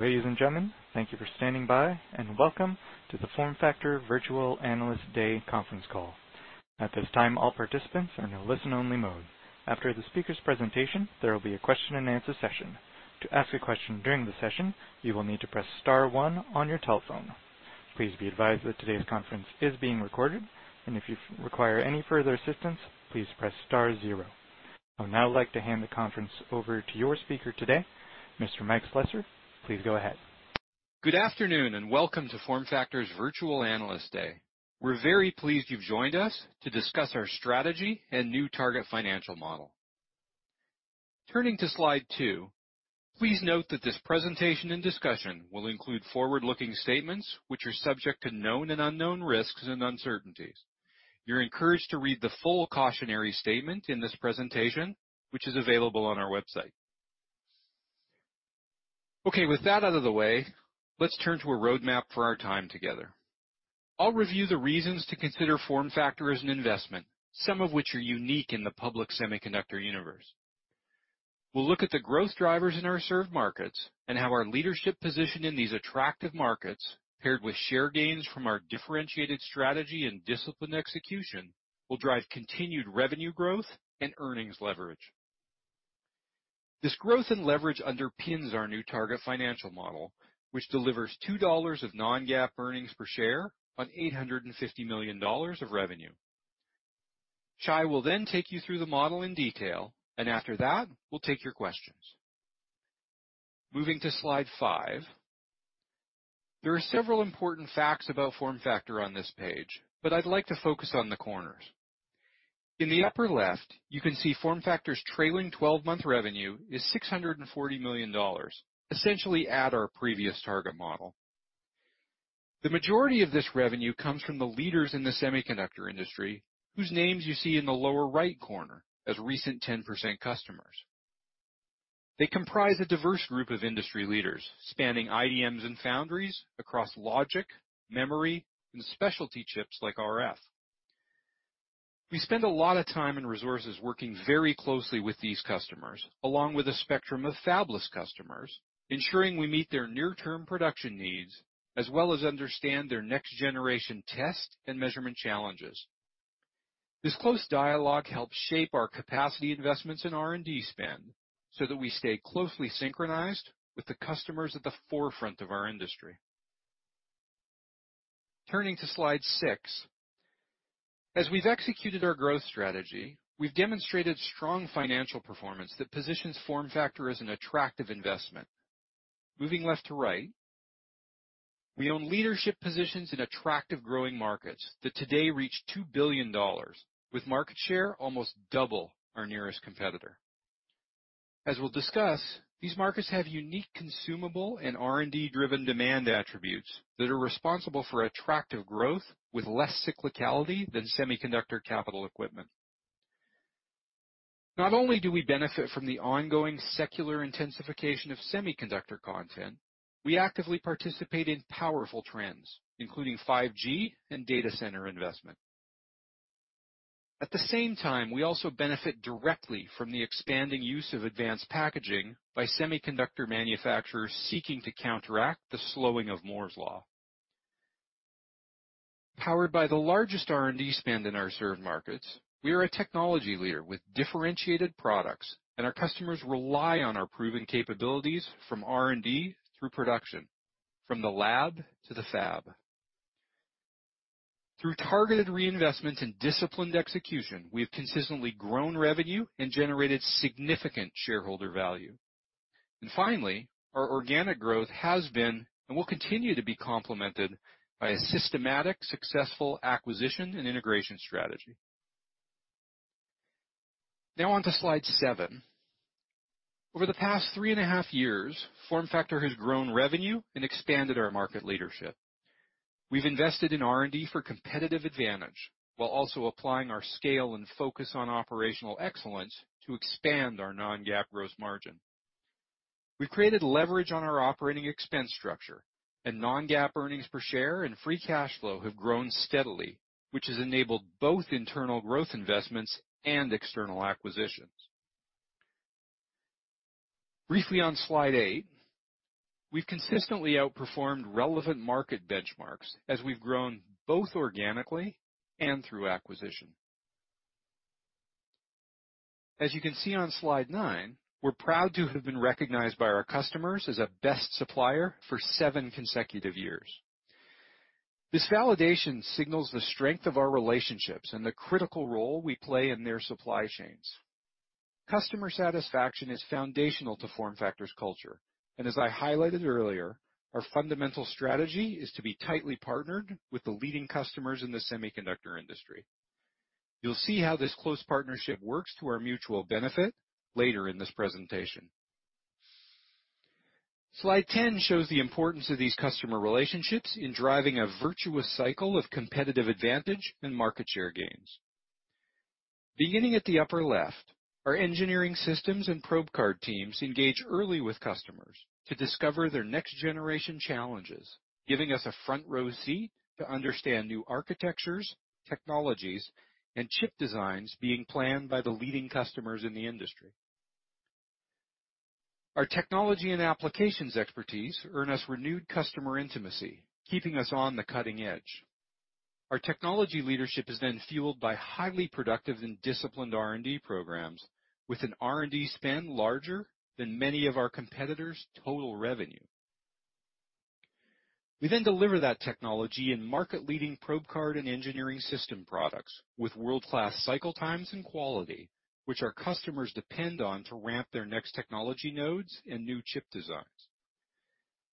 Ladies and gentlemen, thank you for standing by, and welcome to the FormFactor Virtual Analyst Day conference call. At this time, all participants are in a listen-only mode. After the speaker's presentation, there will be a question-and-answer session. To ask a question during the session, you will need to press star one on your telephone. Please be advised that today's conference is being recorded, and if you require any further assistance, please press star zero. I would now like to hand the conference over to your speaker today, Mr. Mike Slessor, please go ahead. Good afternoon, and welcome to FormFactor's Virtual Analyst Day. We're very pleased you've joined us to discuss our strategy and new target financial model. Turning to slide two, please note that this presentation and discussion will include forward-looking statements which are subject to known and unknown risks and uncertainties. You're encouraged to read the full cautionary statement in this presentation, which is available on our website. Okay, with that out of the way, let's turn to a roadmap for our time together. I'll review the reasons to consider FormFactor as an investment, some of which are unique in the public semiconductor universe. We'll look at the growth drivers in our served markets and how our leadership position in these attractive markets, paired with share gains from our differentiated strategy and disciplined execution, will drive continued revenue growth and earnings leverage. This growth and leverage underpins our new target financial model, which delivers $2 of non-GAAP earnings per share on $850 million of revenue. Shai will then take you through the model in detail, and after that, we'll take your questions. Moving to slide five. There are several important facts about FormFactor on this page, but I'd like to focus on the corners. In the upper left, you can see FormFactor's trailing 12-month revenue is $640 million, essentially at our previous target model. The majority of this revenue comes from the leaders in the semiconductor industry, whose names you see in the lower right corner as recent 10% customers. They comprise a diverse group of industry leaders, spanning IDMs and foundries across logic, memory, and specialty chips like RF. We spend a lot of time and resources working very closely with these customers, along with a spectrum of fabless customers, ensuring we meet their near-term production needs, as well as understand their next-generation test and measurement challenges. This close dialogue helps shape our capacity investments in R&D spend so that we stay closely synchronized with the customers at the forefront of our industry. Turning to slide six. As we've executed our growth strategy, we've demonstrated strong financial performance that positions FormFactor as an attractive investment. Moving left to right, we own leadership positions in attractive growing markets that today reach $2 billion, with market share almost double our nearest competitor. As we'll discuss, these markets have unique consumable and R&D-driven demand attributes that are responsible for attractive growth with less cyclicality than semiconductor capital equipment. Not only do we benefit from the ongoing secular intensification of semiconductor content, we actively participate in powerful trends, including 5G and data center investment. At the same time, we also benefit directly from the expanding use of advanced packaging by semiconductor manufacturers seeking to counteract the slowing of Moore's Law. Powered by the largest R&D spend in our served markets, we are a technology leader with differentiated products, and our customers rely on our proven capabilities from R&D through production, from the lab to the fab. Through targeted reinvestments and disciplined execution, we have consistently grown revenue and generated significant shareholder value. Finally, our organic growth has been and will continue to be complemented by a systematic, successful acquisition and integration strategy. On to slide seven. Over the past three and a half years, FormFactor has grown revenue and expanded our market leadership. We've invested in R&D for competitive advantage while also applying our scale and focus on operational excellence to expand our non-GAAP gross margin. We've created leverage on our operating expense structure and non-GAAP earnings per share and free cash flow have grown steadily, which has enabled both internal growth investments and external acquisitions. Briefly on Slide eight, we've consistently outperformed relevant market benchmarks as we've grown both organically and through acquisition. As you can see on slide nine, we're proud to have been recognized by our customers as a best supplier for seven consecutive years. This validation signals the strength of our relationships and the critical role we play in their supply chains. Customer satisfaction is foundational to FormFactor's culture. As I highlighted earlier, our fundamental strategy is to be tightly partnered with the leading customers in the semiconductor industry. You'll see how this close partnership works to our mutual benefit later in this presentation. Slide 10 shows the importance of these customer relationships in driving a virtuous cycle of competitive advantage and market share gains. Beginning at the upper left, our engineering systems and probe card teams engage early with customers to discover their next-generation challenges, giving us a front-row seat to understand new architectures, technologies, and chip designs being planned by the leading customers in the industry. Our technology and applications expertise earn us renewed customer intimacy, keeping us on the cutting edge. Our technology leadership is then fueled by highly productive and disciplined R&D programs, with an R&D spend larger than many of our competitors' total revenue. We then deliver that technology in market-leading probe card and engineering system products, with world-class cycle times and quality, which our customers depend on to ramp their next technology nodes and new chip designs.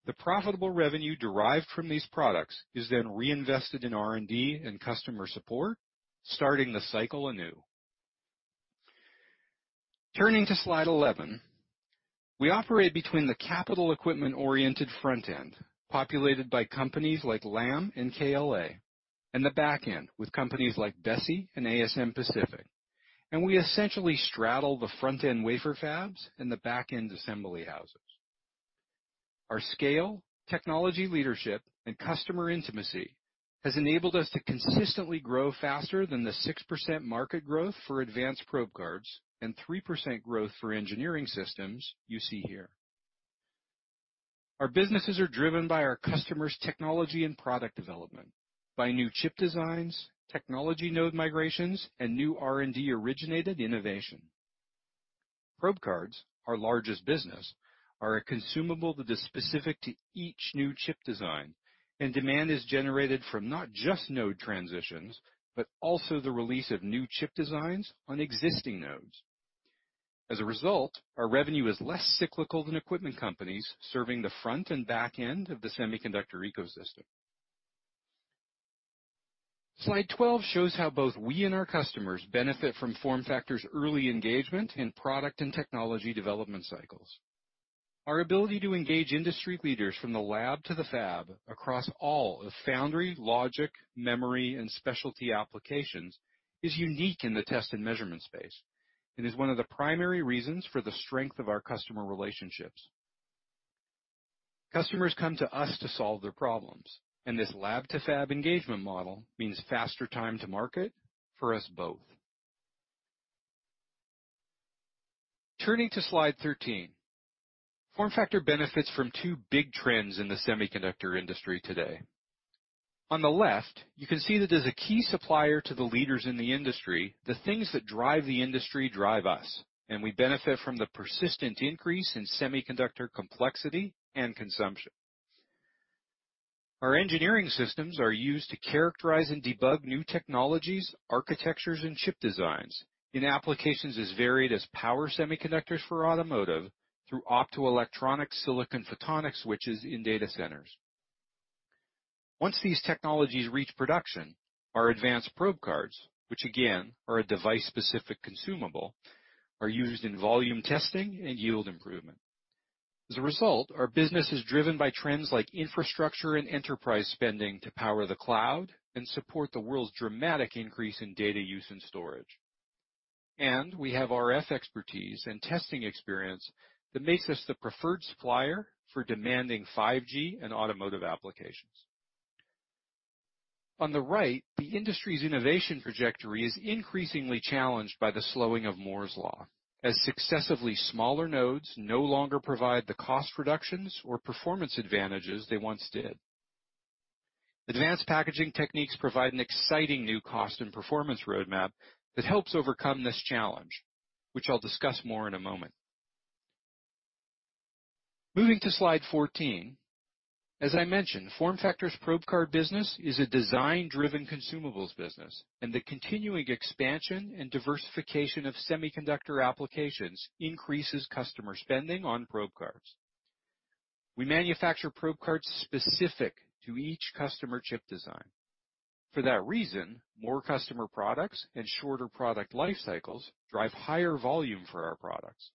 The profitable revenue derived from these products is then reinvested in R&D and customer support, starting the cycle anew. Turning to slide 11, we operate between the capital equipment-oriented front end, populated by companies like Lam and KLA, and the back end, with companies like Besi and ASM Pacific, and we essentially straddle the front-end wafer fabs and the back-end assembly houses. Our scale, technology leadership, and customer intimacy has enabled us to consistently grow faster than the 6% market growth for advanced probe cards and 3% growth for engineering systems you see here. Our businesses are driven by our customers' technology and product development, by new chip designs, technology node migrations, and new R&D-originated innovation. Probe cards, our largest business, are a consumable that is specific to each new chip design, and demand is generated from not just node transitions, but also the release of new chip designs on existing nodes. As a result, our revenue is less cyclical than equipment companies serving the front and back end of the semiconductor ecosystem. Slide 12 shows how both we and our customers benefit from FormFactor's early engagement in product and technology development cycles. Our ability to engage industry leaders from the lab to the fab across all of foundry, logic, memory, and specialty applications is unique in the test and measurement space and is one of the primary reasons for the strength of our customer relationships. Customers come to us to solve their problems, and this lab-to-fab engagement model means faster time to market for us both. Turning to slide 13, FormFactor benefits from two big trends in the semiconductor industry today. On the left, you can see that as a key supplier to the leaders in the industry, the things that drive the industry drive us, and we benefit from the persistent increase in semiconductor complexity and consumption. Our engineering systems are used to characterize and debug new technologies, architectures, and chip designs in applications as varied as power semiconductors for automotive through optoelectronic silicon photonics switches in data centers. Once these technologies reach production, our advanced probe cards, which again are a device-specific consumable, are used in volume testing and yield improvement. As a result, our business is driven by trends like infrastructure and enterprise spending to power the cloud and support the world's dramatic increase in data use and storage. We have RF expertise and testing experience that makes us the preferred supplier for demanding 5G and automotive applications. On the right, the industry's innovation trajectory is increasingly challenged by the slowing of Moore's Law, as successively smaller nodes no longer provide the cost reductions or performance advantages they once did. Advanced packaging techniques provide an exciting new cost and performance roadmap that helps overcome this challenge, which I'll discuss more in a moment. Moving to slide 14, as I mentioned, FormFactor's probe card business is a design-driven consumables business, and the continuing expansion and diversification of semiconductor applications increases customer spending on probe cards. We manufacture probe cards specific to each customer chip design. For that reason, more customer products and shorter product life cycles drive higher volume for our products.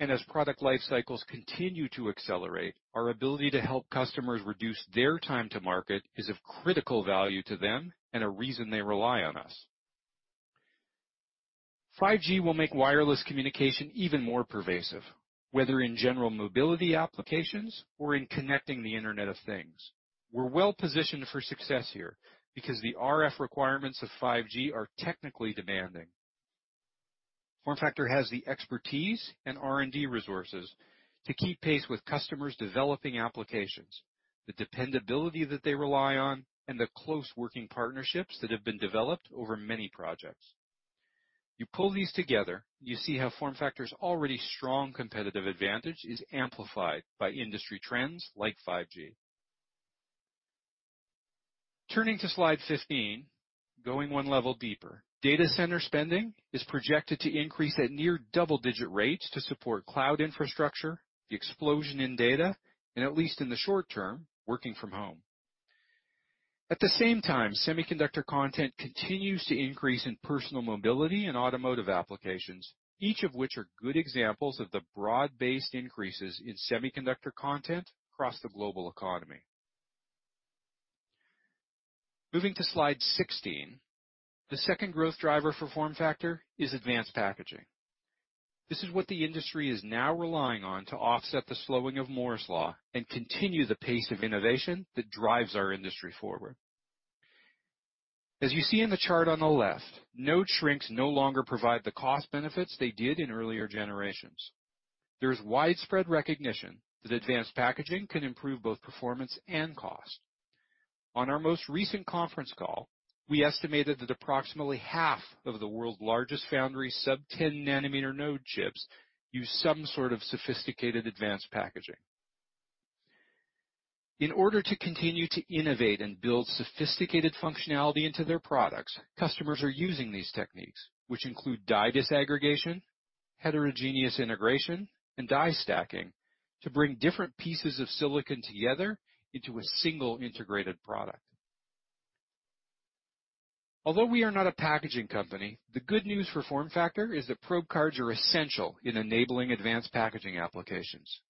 As product life cycles continue to accelerate, our ability to help customers reduce their time to market is of critical value to them and a reason they rely on us. 5G will make wireless communication even more pervasive, whether in general mobility applications or in connecting the Internet of Things. We're well-positioned for success here, because the RF requirements of 5G are technically demanding. FormFactor has the expertise and R&D resources to keep pace with customers developing applications, the dependability that they rely on, and the close working partnerships that have been developed over many projects. You pull these together, you see how FormFactor's already strong competitive advantage is amplified by industry trends like 5G. Turning to slide 15, going one level deeper. Data center spending is projected to increase at near double-digit rates to support cloud infrastructure, the explosion in data, and at least in the short term, working from home. At the same time, semiconductor content continues to increase in personal mobility and automotive applications, each of which are good examples of the broad-based increases in semiconductor content across the global economy. Moving to slide 16, the second growth driver for FormFactor is advanced packaging. This is what the industry is now relying on to offset the slowing of Moore's Law and continue the pace of innovation that drives our industry forward. As you see in the chart on the left, node shrinks no longer provide the cost benefits they did in earlier generations. There's widespread recognition that advanced packaging can improve both performance and cost. On our most recent conference call, we estimated that approximately 1/2 of the world's largest foundry sub-10 nm node chips use some sort of sophisticated advanced packaging. In order to continue to innovate and build sophisticated functionality into their products, customers are using these techniques, which include die disaggregation, heterogeneous integration, and die stacking, to bring different pieces of silicon together into a single integrated product. Although we are not a packaging company, the good news for FormFactor is that probe cards are essential in enabling advanced packaging applications.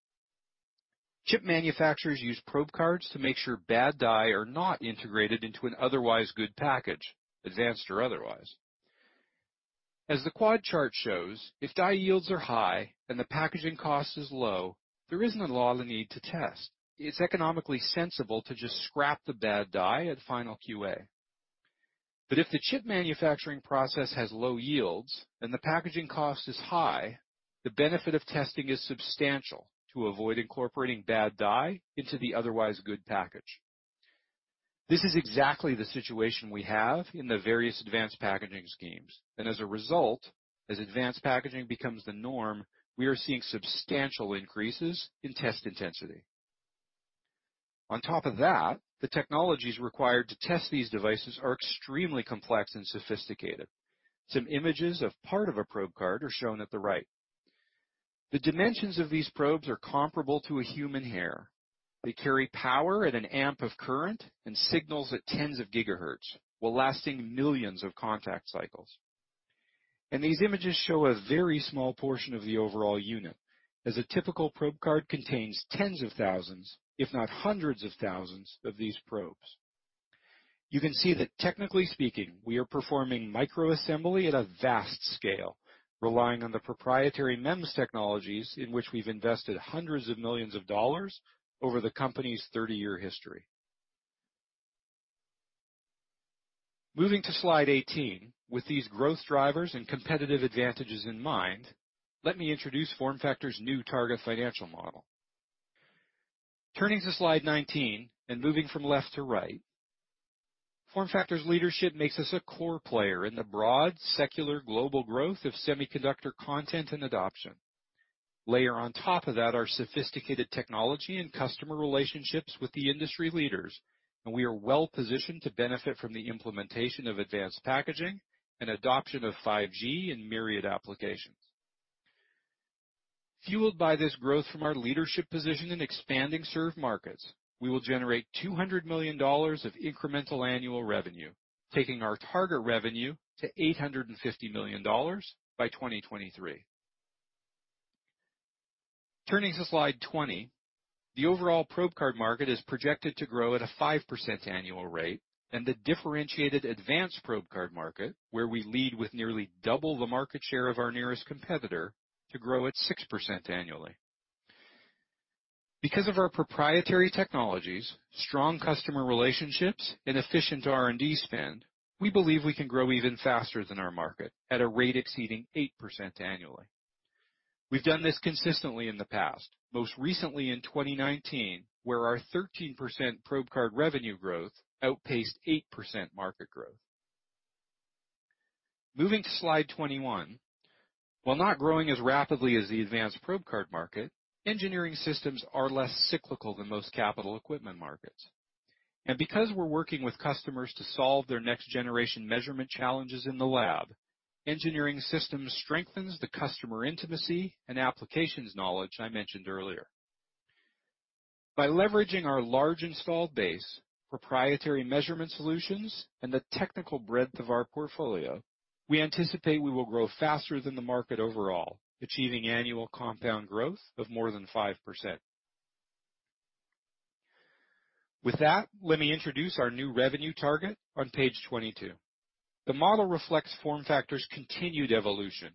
Chip manufacturers use probe cards to make sure bad die are not integrated into an otherwise good package, advanced or otherwise. As the quad chart shows, if die yields are high and the packaging cost is low, there isn't a lot of the need to test. It's economically sensible to just scrap the bad die at final QA. If the chip manufacturing process has low yields and the packaging cost is high, the benefit of testing is substantial to avoid incorporating bad die into the otherwise good package. This is exactly the situation we have in the various advanced packaging schemes. As a result, as advanced packaging becomes the norm, we are seeing substantial increases in test intensity. On top of that, the technologies required to test these devices are extremely complex and sophisticated. Some images of part of a probe card are shown at the right. The dimensions of these probes are comparable to a human hair. They carry power at one amp of current and signals at tens of gigahertz, while lasting millions of contact cycles. These images show a very small portion of the overall unit, as a typical probe card contains tens of thousands, if not hundreds of thousands, of these probes. You can see that technically speaking, we are performing microassembly at a vast scale, relying on the proprietary MEMS technologies in which we've invested hundreds of millions of dollars over the company's 30-year history. Moving to slide 18. With these growth drivers and competitive advantages in mind, let me introduce FormFactor's new target financial model. Turning to slide 19 and moving from left to right, FormFactor's leadership makes us a core player in the broad, secular global growth of semiconductor content and adoption. Layer on top of that our sophisticated technology and customer relationships with the industry leaders, we are well-positioned to benefit from the implementation of advanced packaging and adoption of 5G in myriad applications. Fueled by this growth from our leadership position in expanding served markets, we will generate $200 million of incremental annual revenue, taking our target revenue to $850 million by 2023. Turning to slide 20. The overall probe card market is projected to grow at a 5% annual rate, and the differentiated advanced probe card market, where we lead with nearly double the market share of our nearest competitor, to grow at 6% annually. Because of our proprietary technologies, strong customer relationships, and efficient R&D spend, we believe we can grow even faster than our market, at a rate exceeding 8% annually. We've done this consistently in the past, most recently in 2019, where our 13% probe card revenue growth outpaced 8% market growth. Moving to slide 21. While not growing as rapidly as the advanced probe card market, engineering systems are less cyclical than most capital equipment markets. Because we're working with customers to solve their next-generation measurement challenges in the lab, Engineering Systems strengthens the customer intimacy and applications knowledge I mentioned earlier. By leveraging our large installed base, proprietary measurement solutions, and the technical breadth of our portfolio, we anticipate we will grow faster than the market overall, achieving annual compound growth of more than 5%. With that, let me introduce our new revenue target on page 22. The model reflects FormFactor's continued evolution,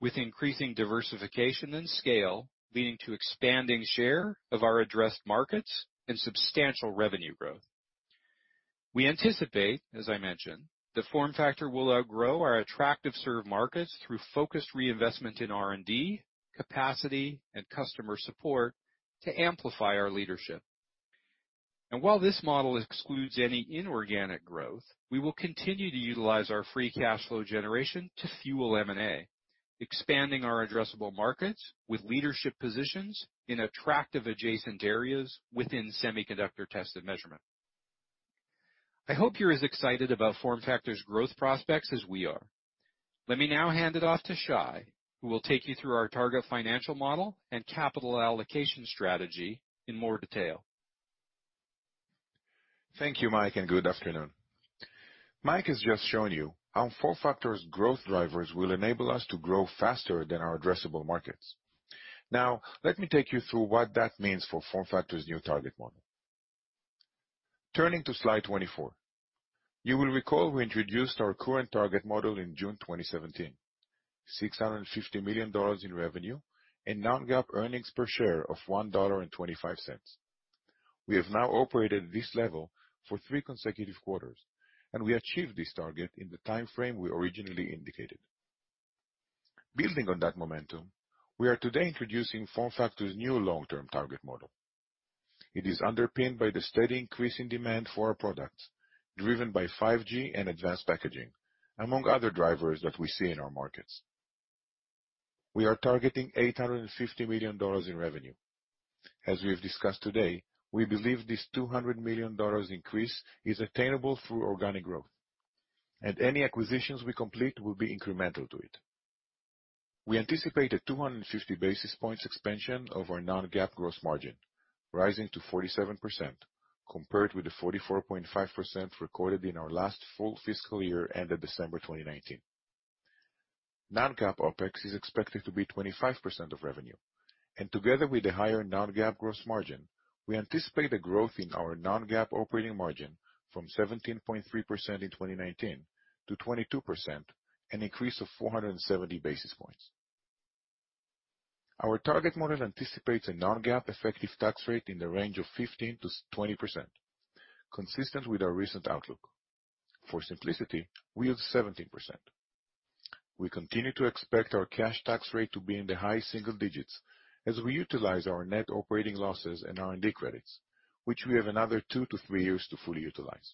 with increasing diversification and scale leading to expanding share of our addressed markets and substantial revenue growth. We anticipate, as I mentioned, that FormFactor will outgrow our attractive served markets through focused reinvestment in R&D, capacity, and customer support to amplify our leadership. While this model excludes any inorganic growth, we will continue to utilize our free cash flow generation to fuel M&A, expanding our addressable markets with leadership positions in attractive adjacent areas within semiconductor test and measurement. I hope you're as excited about FormFactor's growth prospects as we are. Let me now hand it off to Shai, who will take you through our target financial model and capital allocation strategy in more detail. Thank you, Mike, and good afternoon? Mike has just shown you how FormFactor's growth drivers will enable us to grow faster than our addressable markets. Now, let me take you through what that means for FormFactor's new target model. Turning to slide 24. You will recall we introduced our current target model in June 2017. $650 million in revenue and non-GAAP earnings per share of $1.25. We have now operated at this level for three consecutive quarters, and we achieved this target in the time frame we originally indicated. Building on that momentum, we are today introducing FormFactor's new long-term target model. It is underpinned by the steady increase in demand for our products, driven by 5G and advanced packaging, among other drivers that we see in our markets. We are targeting $850 million in revenue. As we have discussed today, we believe this $200 million increase is attainable through organic growth, and any acquisitions we complete will be incremental to it. We anticipate a 250 basis points expansion of our non-GAAP gross margin, rising to 47%, compared with the 44.5% recorded in our last full fiscal year ended December 2019. Non-GAAP OpEx is expected to be 25% of revenue, and together with a higher non-GAAP gross margin, we anticipate a growth in our non-GAAP operating margin from 17.3% in 2019 to 22%, an increase of 470 basis points. Our target model anticipates a non-GAAP effective tax rate in the range of 15%-20%, consistent with our recent outlook. For simplicity, we use 17%. We continue to expect our cash tax rate to be in the high single digits as we utilize our net operating losses and R&D credits, which we have another two years-three years to fully utilize.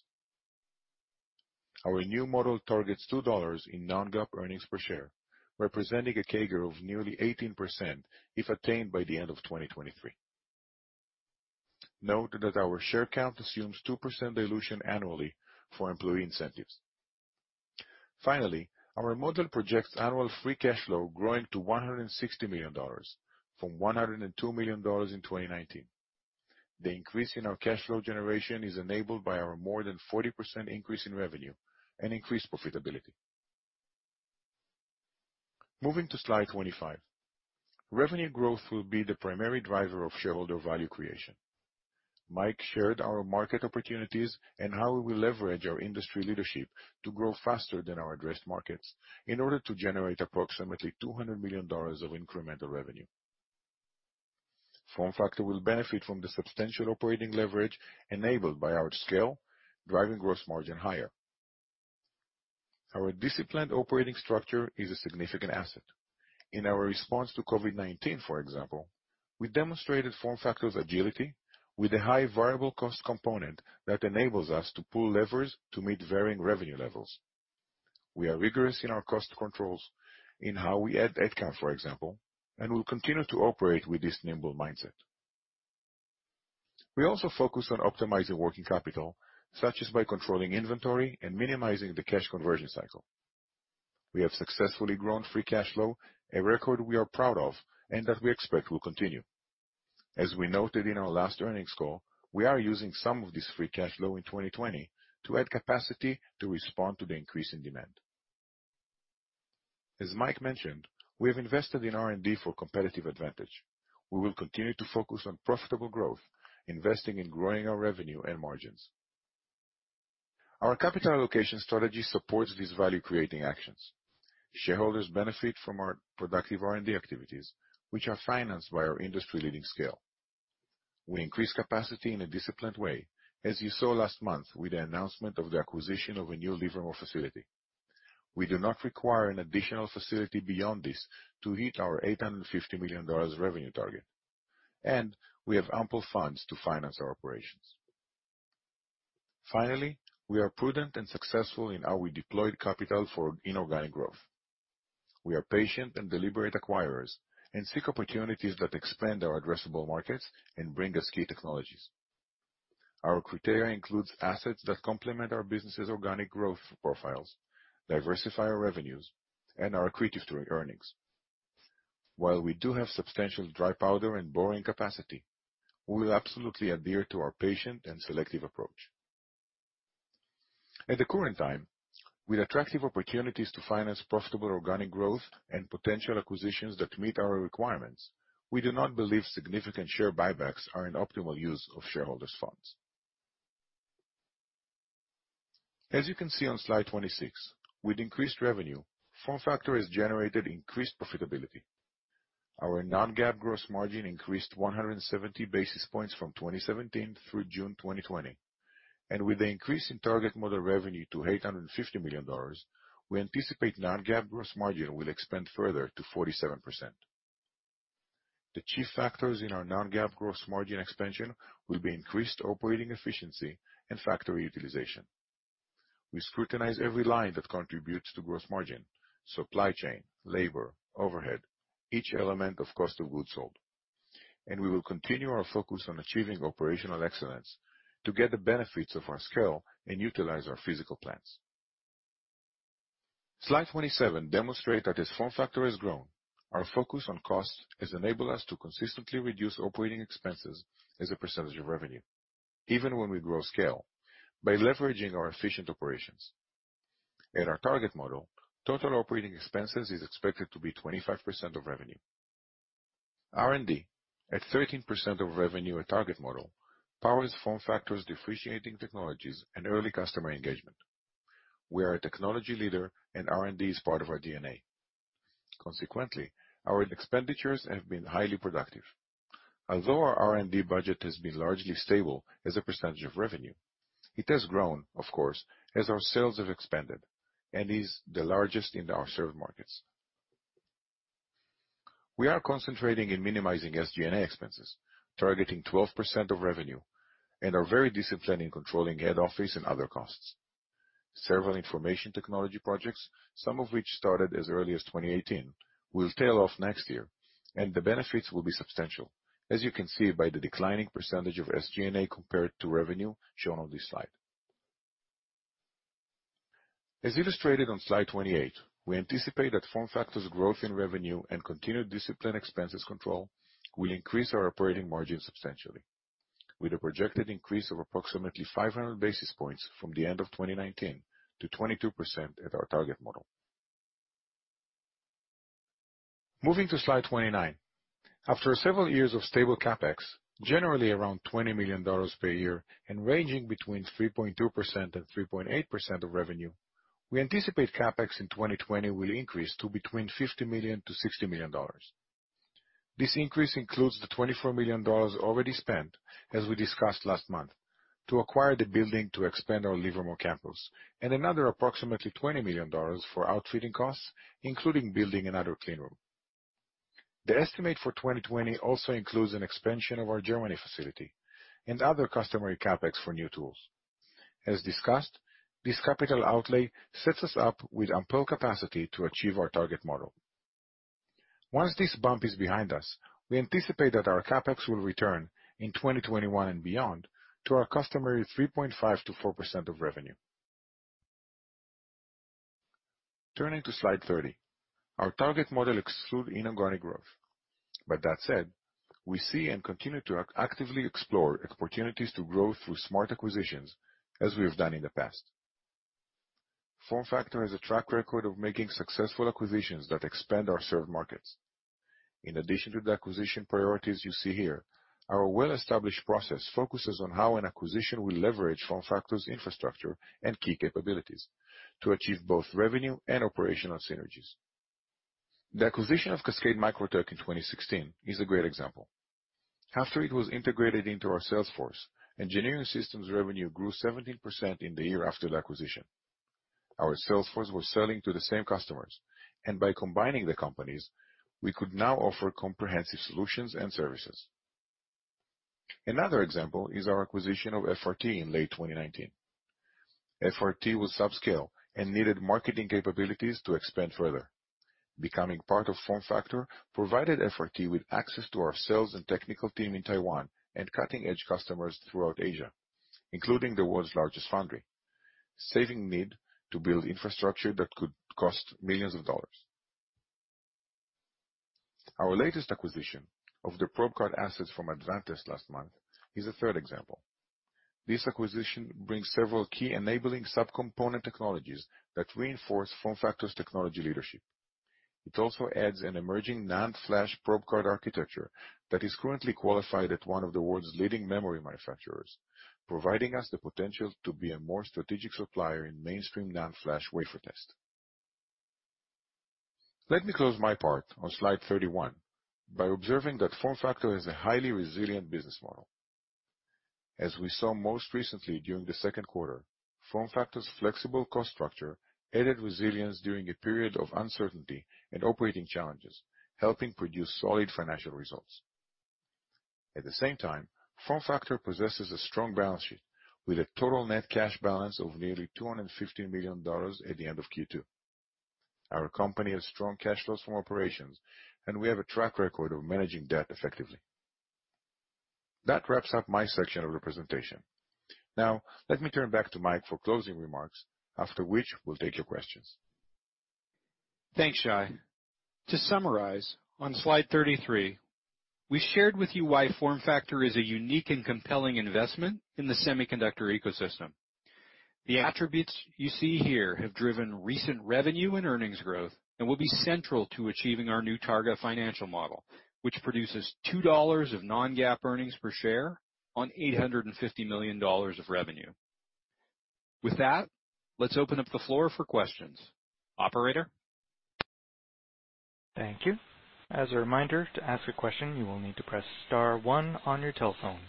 Our new model targets $2 in non-GAAP earnings per share, representing a CAGR of nearly 18% if attained by the end of 2023. Note that our share count assumes 2% dilution annually for employee incentives. Our model projects annual free cash flow growing to $160 million from $102 million in 2019. The increase in our cash flow generation is enabled by our more than 40% increase in revenue and increased profitability. Moving to slide 25. Revenue growth will be the primary driver of shareholder value creation. Mike shared our market opportunities and how we will leverage our industry leadership to grow faster than our addressed markets in order to generate approximately $200 million of incremental revenue. FormFactor will benefit from the substantial operating leverage enabled by our scale, driving gross margin higher. Our disciplined operating structure is a significant asset. In our response to COVID-19, for example, we demonstrated FormFactor's agility with a high variable cost component that enables us to pull levers to meet varying revenue levels. We are rigorous in our cost controls, in how we add headcount, for example, and will continue to operate with this nimble mindset. We also focus on optimizing working capital, such as by controlling inventory and minimizing the cash conversion cycle. We have successfully grown free cash flow, a record we are proud of and that we expect will continue. As we noted in our last earnings call, we are using some of this free cash flow in 2020 to add capacity to respond to the increase in demand. As Mike mentioned, we have invested in R&D for competitive advantage. We will continue to focus on profitable growth, investing in growing our revenue and margins. Our capital allocation strategy supports these value-creating actions. Shareholders benefit from our productive R&D activities, which are financed by our industry-leading scale. We increase capacity in a disciplined way, as you saw last month with the announcement of the acquisition of a new Livermore facility. We do not require an additional facility beyond this to hit our $850 million revenue target, and we have ample funds to finance our operations. Finally, we are prudent and successful in how we deployed capital for inorganic growth. We are patient and deliberate acquirers and seek opportunities that expand our addressable markets and bring us key technologies. Our criteria includes assets that complement our business's organic growth profiles, diversify our revenues, and are accretive to earnings. While we do have substantial dry powder and borrowing capacity, we will absolutely adhere to our patient and selective approach. At the current time, with attractive opportunities to finance profitable organic growth and potential acquisitions that meet our requirements, we do not believe significant share buybacks are an optimal use of shareholders' funds. As you can see on slide 26, with increased revenue, FormFactor has generated increased profitability. Our non-GAAP gross margin increased 170 basis points from 2017 through June 2020, and with the increase in target model revenue to $850 million, we anticipate non-GAAP gross margin will expand further to 47%. The chief factors in our non-GAAP gross margin expansion will be increased operating efficiency and factory utilization. We scrutinize every line that contributes to gross margin, supply chain, labor, overhead, each element of cost of goods sold, we will continue our focus on achieving operational excellence to get the benefits of our scale and utilize our physical plants. Slide 27 demonstrate that as FormFactor has grown, our focus on cost has enabled us to consistently reduce operating expenses as a percentage of revenue, even when we grow scale, by leveraging our efficient operations. In our target model, total operating expenses is expected to be 25% of revenue. R&D, at 13% of revenue or target model, powers FormFactor's differentiating technologies and early customer engagement. We are a technology leader, R&D is part of our DNA. Consequently, our expenditures have been highly productive. Although our R&D budget has been largely stable as a percentage of revenue, it has grown, of course, as our sales have expanded, and is the largest in our served markets. We are concentrating in minimizing SG&A expenses, targeting 12% of revenue, and are very disciplined in controlling head office and other costs. Several information technology projects, some of which started as early as 2018, will tail off next year, and the benefits will be substantial, as you can see by the declining percentage of SG&A compared to revenue shown on this slide. As illustrated on slide 28, we anticipate that FormFactor's growth in revenue and continued discipline expenses control will increase our operating margin substantially, with a projected increase of approximately 500 basis points from the end of 2019 to 22% at our target model. Moving to slide 29. After several years of stable CapEx, generally around $20 million per year and ranging between 3.2%-3.8% of revenue, we anticipate CapEx in 2020 will increase to between $50 million-$60 million. This increase includes the $24 million already spent, as we discussed last month, to acquire the building to expand our Livermore campus, and another approximately $20 million for outfitting costs, including building another clean room. The estimate for 2020 also includes an expansion of our Germany facility and other customary CapEx for new tools. As discussed, this capital outlay sets us up with ample capacity to achieve our target model. Once this bump is behind us, we anticipate that our CapEx will return in 2021 and beyond to our customary 3.5%-4% of revenue. Turning to slide 30. Our target model excludes inorganic growth. That said, we see and continue to actively explore opportunities to grow through smart acquisitions, as we have done in the past. FormFactor has a track record of making successful acquisitions that expand our served markets. In addition to the acquisition priorities you see here, our well-established process focuses on how an acquisition will leverage FormFactor's infrastructure and key capabilities to achieve both revenue and operational synergies. The acquisition of Cascade Microtech in 2016 is a great example. After it was integrated into our sales force, engineering systems revenue grew 17% in the year after the acquisition. Our sales force was selling to the same customers, and by combining the companies, we could now offer comprehensive solutions and services. Another example is our acquisition of FRT in late 2019. FRT was subscale and needed marketing capabilities to expand further. Becoming part of FormFactor provided FRT with access to our sales and technical team in Taiwan and cutting-edge customers throughout Asia, including the world's largest foundry, saving need to build infrastructure that could cost millions of dollars. Our latest acquisition of the probe card assets from Advantest last month is a third example. This acquisition brings several key enabling subcomponent technologies that reinforce FormFactor's technology leadership. It also adds an emerging NAND flash probe card architecture that is currently qualified at one of the world's leading memory manufacturers, providing us the potential to be a more strategic supplier in mainstream NAND flash wafer test. Let me close my part on slide 31 by observing that FormFactor has a highly resilient business model. As we saw most recently during the second quarter, FormFactor's flexible cost structure added resilience during a period of uncertainty and operating challenges, helping produce solid financial results. At the same time, FormFactor possesses a strong balance sheet with a total net cash balance of nearly $250 million at the end of Q2. Our company has strong cash flows from operations, and we have a track record of managing debt effectively. That wraps up my section of the presentation. Let me turn back to Mike for closing remarks, after which we'll take your questions. Thanks, Shai. To summarize, on slide 33, we shared with you why FormFactor is a unique and compelling investment in the semiconductor ecosystem. The attributes you see here have driven recent revenue and earnings growth and will be central to achieving our new target financial model, which produces $2 of non-GAAP earnings per share on $850 million of revenue. With that, let's open up the floor for questions. Operator? Thank you. As a reminder, to ask a question, you will need to press star one on your telephones.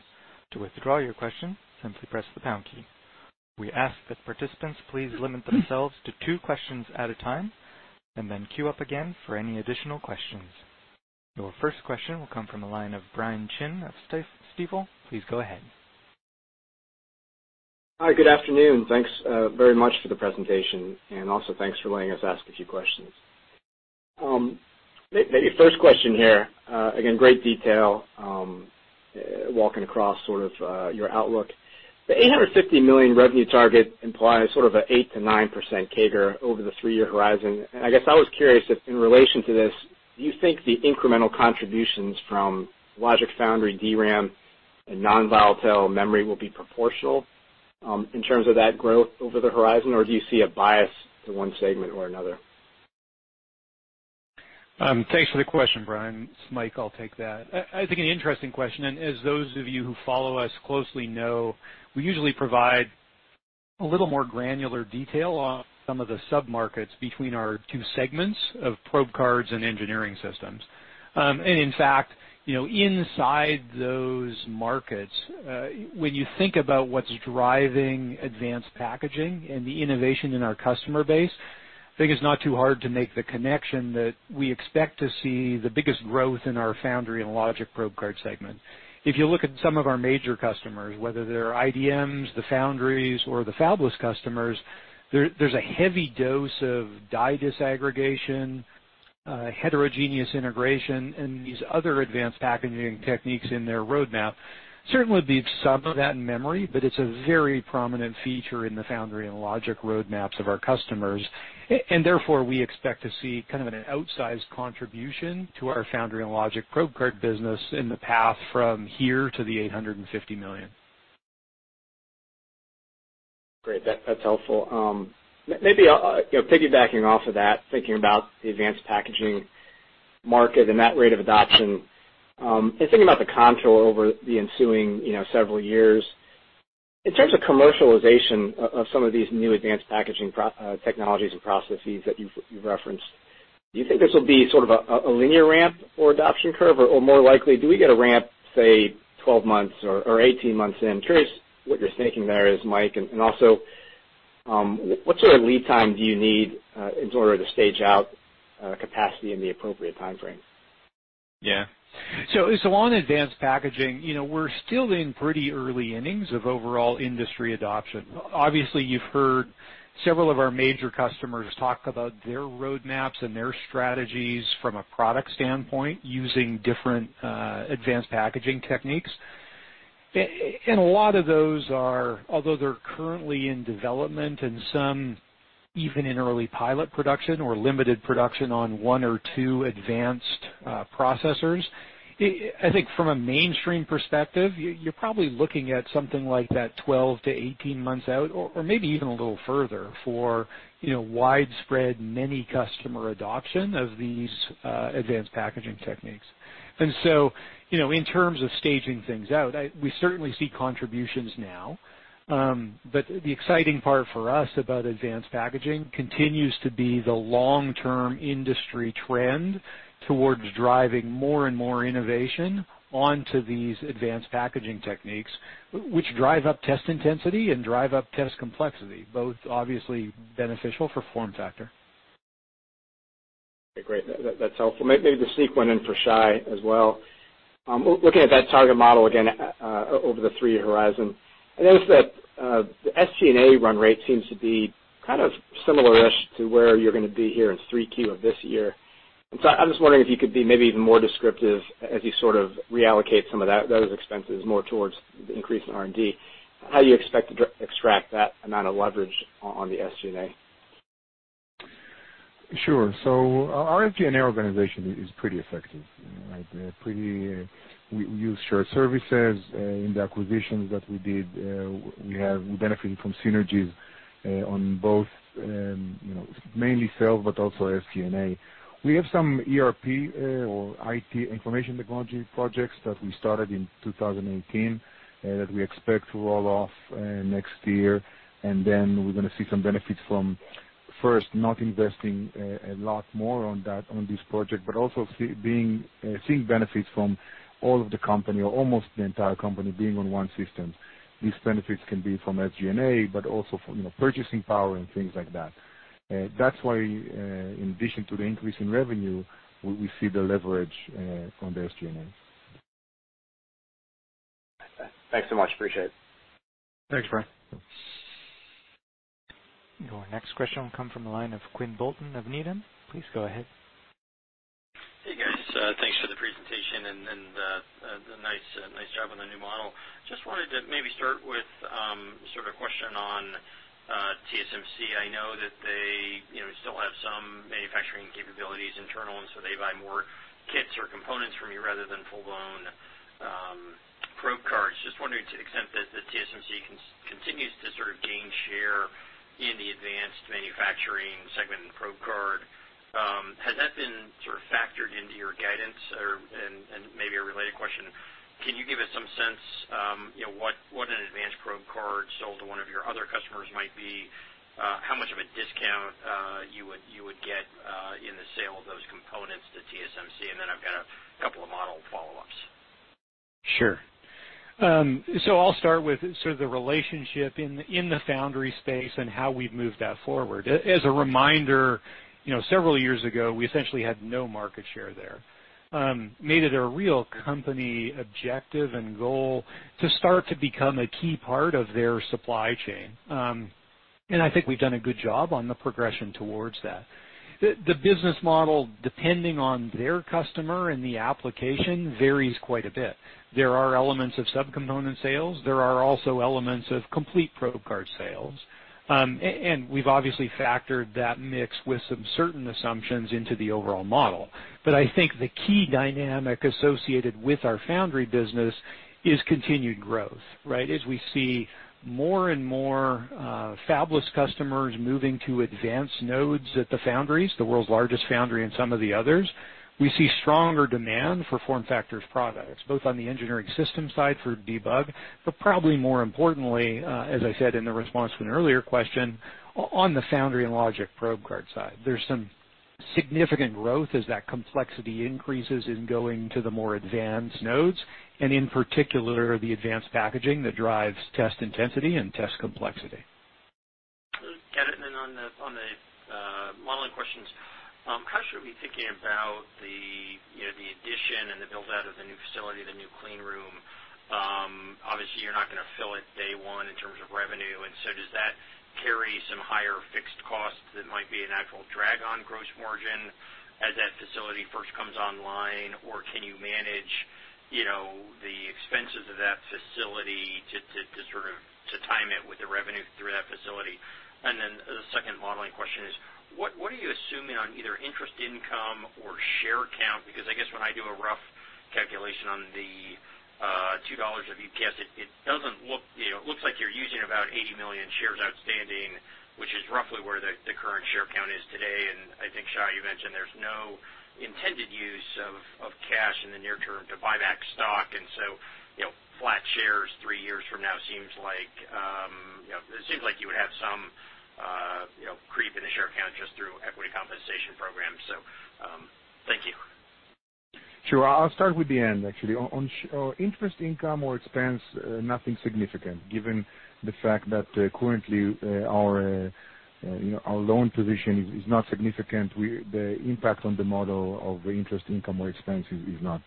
To withdraw your question, simply press the pound key. We ask that participants please limit themselves to two questions at a time, and then queue up again for any additional questions. Your first question will come from the line of Brian Chin of Stifel, please go ahead. Hi, good afternoon? Thanks very much for the presentation, and also thanks for letting us ask a few questions. Maybe first question here, again, great detail walking across sort of your outlook. The $850 million revenue target implies sort of a 8%-9% CAGR over the three-year horizon, I guess I was curious if, in relation to this, do you think the incremental contributions from Logic Foundry, DRAM and non-volatile memory will be proportional in terms of that growth over the horizon, or do you see a bias to one segment or another? Thanks for the question, Brian. It's Mike, I'll take that. I think an interesting question, as those of you who follow us closely know, we usually provide a little more granular detail on some of the sub-markets between our two segments of probe cards and engineering systems. In fact, inside those markets, when you think about what's driving advanced packaging and the innovation in our customer base, I think it's not too hard to make the connection that we expect to see the biggest growth in our foundry and logic probe card segment. If you look at some of our major customers, whether they're IDMs, the foundries, or the fabless customers, there's a heavy dose of die disaggregation, heterogeneous integration, and these other advanced packaging techniques in their roadmap. Certainly be sub of that in memory, but it's a very prominent feature in the foundry and logic roadmaps of our customers. Therefore, we expect to see kind of an outsized contribution to our foundry and logic probe card business in the path from here to the $850 million. Great. That's helpful. Maybe piggybacking off of that, thinking about the advanced packaging market and that rate of adoption, and thinking about the control over the ensuing several years. In terms of commercialization of some of these new advanced packaging technologies and processes that you've referenced, do you think this will be sort of a linear ramp or adoption curve, or more likely, do we get a ramp, say, 12 months or 18 months in? Curious what your thinking there is, Mike. Also, what sort of lead time do you need in order to stage out capacity in the appropriate timeframe? On advanced packaging, we're still in pretty early innings of overall industry adoption. Obviously, you've heard several of our major customers talk about their roadmaps and their strategies from a product standpoint, using different advanced packaging techniques. A lot of those are, although they're currently in development and some even in early pilot production or limited production on one or two advanced processors, I think from a mainstream perspective, you're probably looking at something like that 12 months-18 months out or maybe even a little further for widespread many customer adoption of these advanced packaging techniques. In terms of staging things out, we certainly see contributions now. The exciting part for us about advanced packaging continues to be the long-term industry trend towards driving more and more innovation onto these advanced packaging techniques, which drive up test intensity and drive up test complexity, both obviously beneficial for FormFactor. Okay, great. That's helpful. Maybe to sneak one in for Shai as well. Looking at that target model again over the three-year horizon, I noticed that the SG&A run rate seems to be kind of similar-ish to where you're going to be here in 3Q of this year. I'm just wondering if you could be maybe even more descriptive as you sort of reallocate some of those expenses more towards the increase in R&D, how you expect to extract that amount of leverage on the SG&A. Sure. Our SG&A organization is pretty effective. We use shared services in the acquisitions that we did. We have benefited from synergies on both, mainly sales, but also SG&A. We have some ERP or IT, information technology projects that we started in 2018 that we expect to roll off next year, and then we're going to see some benefits from first not investing a lot more on this project, but also seeing benefits from all of the company or almost the entire company being on one system. These benefits can be from SG&A, but also from purchasing power and things like that. That's why in addition to the increase in revenue, we see the leverage from the SG&A. Thanks so much. Appreciate it. Thanks, Brian. Your next question will come from the line of Quinn Bolton of Needham, please go ahead. Hey, guys. Thanks for the presentation and the nice job on the new model. Just wanted to maybe start with sort of a question on TSMC. I know that they still have some manufacturing capabilities internal, and so they buy more kits or components from you rather than full-blown probe cards. Just wondering to the extent that TSMC continues to sort of gain share in the advanced manufacturing segment and probe card, has that been sort of factored into your guidance? Maybe a related question, can you give us some sense what an advanced probe card sold to one of your other customers might be, how much of a discount you would get in the sale of those components to TSMC, and then I've got a couple of model follow-ups. Sure. I'll start with sort of the relationship in the foundry space and how we've moved that forward. As a reminder, several years ago, we essentially had no market share there. We made it a real company objective and goal to start to become a key part of their supply chain. I think we've done a good job on the progression towards that. The business model, depending on their customer and the application, varies quite a bit. There are elements of sub-component sales. There are also elements of complete probe card sales. We've obviously factored that mix with some certain assumptions into the overall model. I think the key dynamic associated with our foundry business is continued growth. Right? As we see more and more fabless customers moving to advanced nodes at the foundries, the world's largest foundry and some of the others, we see stronger demand for FormFactor's products, both on the engineering system side for debug, but probably more importantly, as I said in the response to an earlier question, on the foundry and logic probe card side. There's some significant growth as that complexity increases in going to the more advanced nodes, and in particular, the advanced packaging that drives test intensity and test complexity. Got it. On the modeling questions, how should we be thinking about the addition and the build-out of the new facility, the new clean room? Obviously, you're not going to fill it day one in terms of revenue, does that carry some higher fixed costs that might be an actual drag on gross margin as that facility first comes online? Or can you manage the expenses of that facility to time it with the revenue through that facility? The second modeling question is, what are you assuming on either interest income or share count? I guess when I do a rough calculation on the $2 of EPS, it looks like you're using about 80 million shares outstanding, which is roughly where the current share count is today. I think, Shai, you mentioned there's no intended use of cash in the near term to buy back stock, flat shares three years from now, it seems like you would have some creep in the share count just through equity compensation programs. Thank you. Sure. I'll start with the end, actually. On interest income or expense, nothing significant, given the fact that currently our loan position is not significant. The impact on the model of interest income or expense is not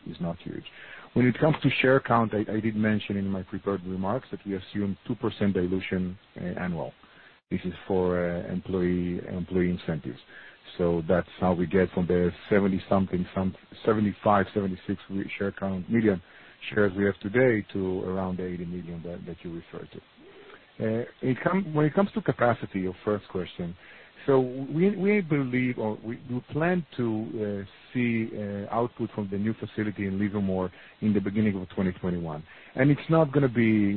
huge. When it comes to share count, I did mention in my prepared remarks that we assume 2% dilution annual. This is for employee incentives. That's how we get from the 70-something, 75 million-76 million shares we have today to around 80 million shares that you referred to. When it comes to capacity, your first question, we plan to see output from the new facility in Livermore in the beginning of 2021. It's not going to be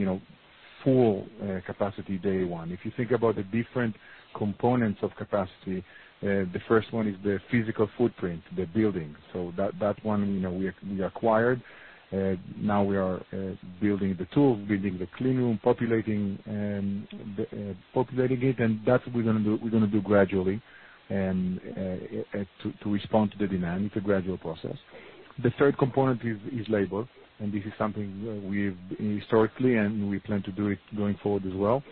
full capacity day one. If you think about the different components of capacity, the first one is the physical footprint, the building. That one we acquired. We are building the tools, building the clean room, populating it, that's what we're going to do gradually to respond to the demand. It's a gradual process. The third component is labor, This is something we've historically and we plan to do it going forward as well.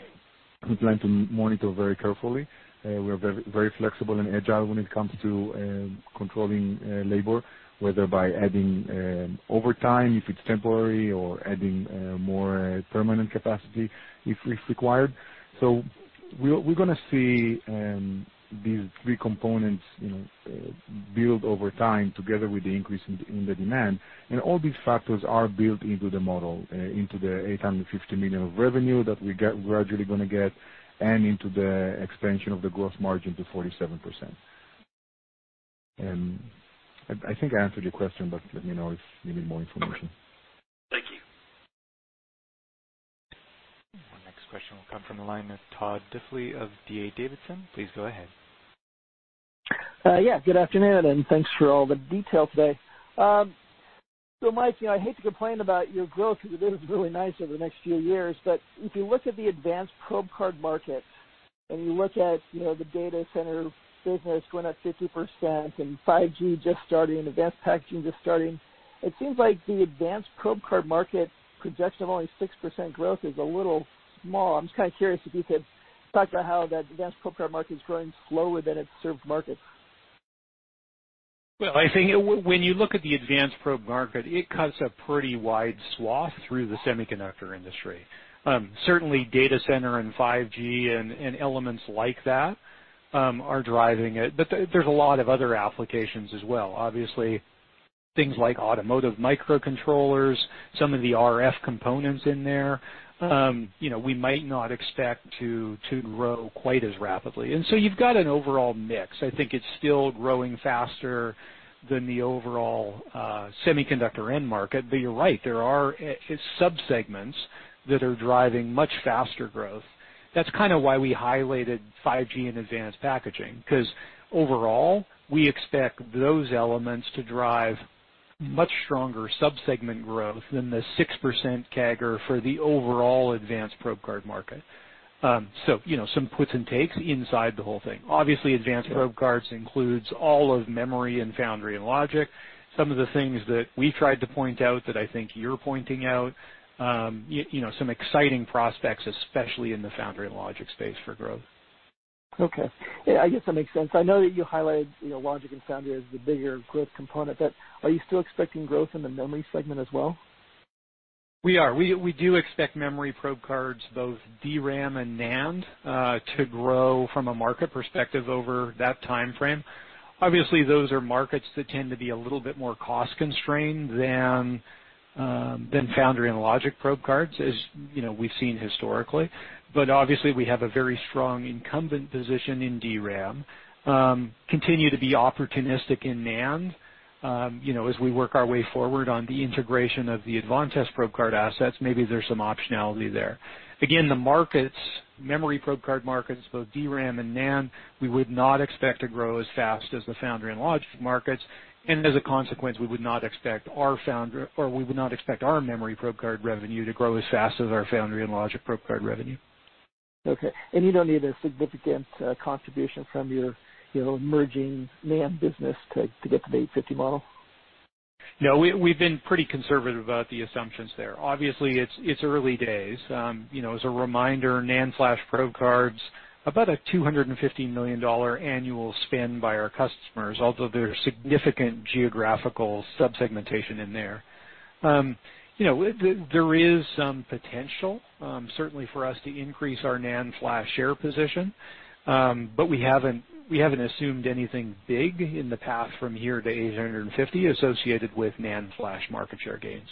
We plan to monitor very carefully. We're very flexible and agile when it comes to controlling labor, whether by adding overtime if it's temporary or adding more permanent capacity if required. We're going to see these three components build over time together with the increase in the demand. All these factors are built into the model, into the $850 million of revenue that we're gradually going to get and into the expansion of the gross margin to 47%. I think I answered your question, Let me know if you need more information. Thank you. Our next question will come from the line of Tom Diffely of D.A. Davidson, please go ahead. Good afternoon, and thanks for all the detail today. Mike, I hate to complain about your growth because it is really nice over the next few years. If you look at the advanced probe card market and you look at the data center business going up 50% and 5G just starting, advanced packaging just starting, it seems like the advanced probe card market projection of only 6% growth is a little small. I'm just kind of curious if you could talk about how that advanced probe card market is growing slower than its served markets. Well, I think when you look at the advanced probe market, it cuts a pretty wide swath through the semiconductor industry. Certainly data center and 5G and elements like that are driving it. There's a lot of other applications as well. Obviously, things like automotive microcontrollers, some of the RF components in there we might not expect to grow quite as rapidly. You've got an overall mix. I think it's still growing faster than the overall semiconductor end market. You're right, there are sub-segments that are driving much faster growth. That's kind of why we highlighted 5G and advanced packaging, because overall, we expect those elements to drive much stronger sub-segment growth than the 6% CAGR for the overall advanced probe card market. Some puts and takes inside the whole thing. Obviously, advanced probe cards includes all of memory and foundry and logic. Some of the things that we tried to point out that I think you're pointing out, some exciting prospects, especially in the foundry and logic space for growth. Okay. I guess that makes sense. I know that you highlighted logic and foundry as the bigger growth component, are you still expecting growth in the memory segment as well? We are. We do expect memory probe cards, both DRAM and NAND, to grow from a market perspective over that timeframe. Obviously, those are markets that tend to be a little bit more cost-constrained than foundry and logic probe cards, as we've seen historically. Obviously, we have a very strong incumbent position in DRAM, continue to be opportunistic in NAND. As we work our way forward on the integration of the Advantest probe card assets, maybe there's some optionality there. Again, the memory probe card markets, both DRAM and NAND, we would not expect to grow as fast as the foundry and logic markets, and as a consequence, we would not expect our memory probe card revenue to grow as fast as our foundry and logic probe card revenue. Okay. You don't need a significant contribution from your emerging NAND business to get to the $850 model? No. We've been pretty conservative about the assumptions there. Obviously, it's early days. As a reminder, NAND flash probe cards, about a $250 million annual spend by our customers, although there's significant geographical sub-segmentation in there. There is some potential, certainly for us to increase our NAND flash share position. We haven't assumed anything big in the path from here to $850 million associated with NAND flash market share gains.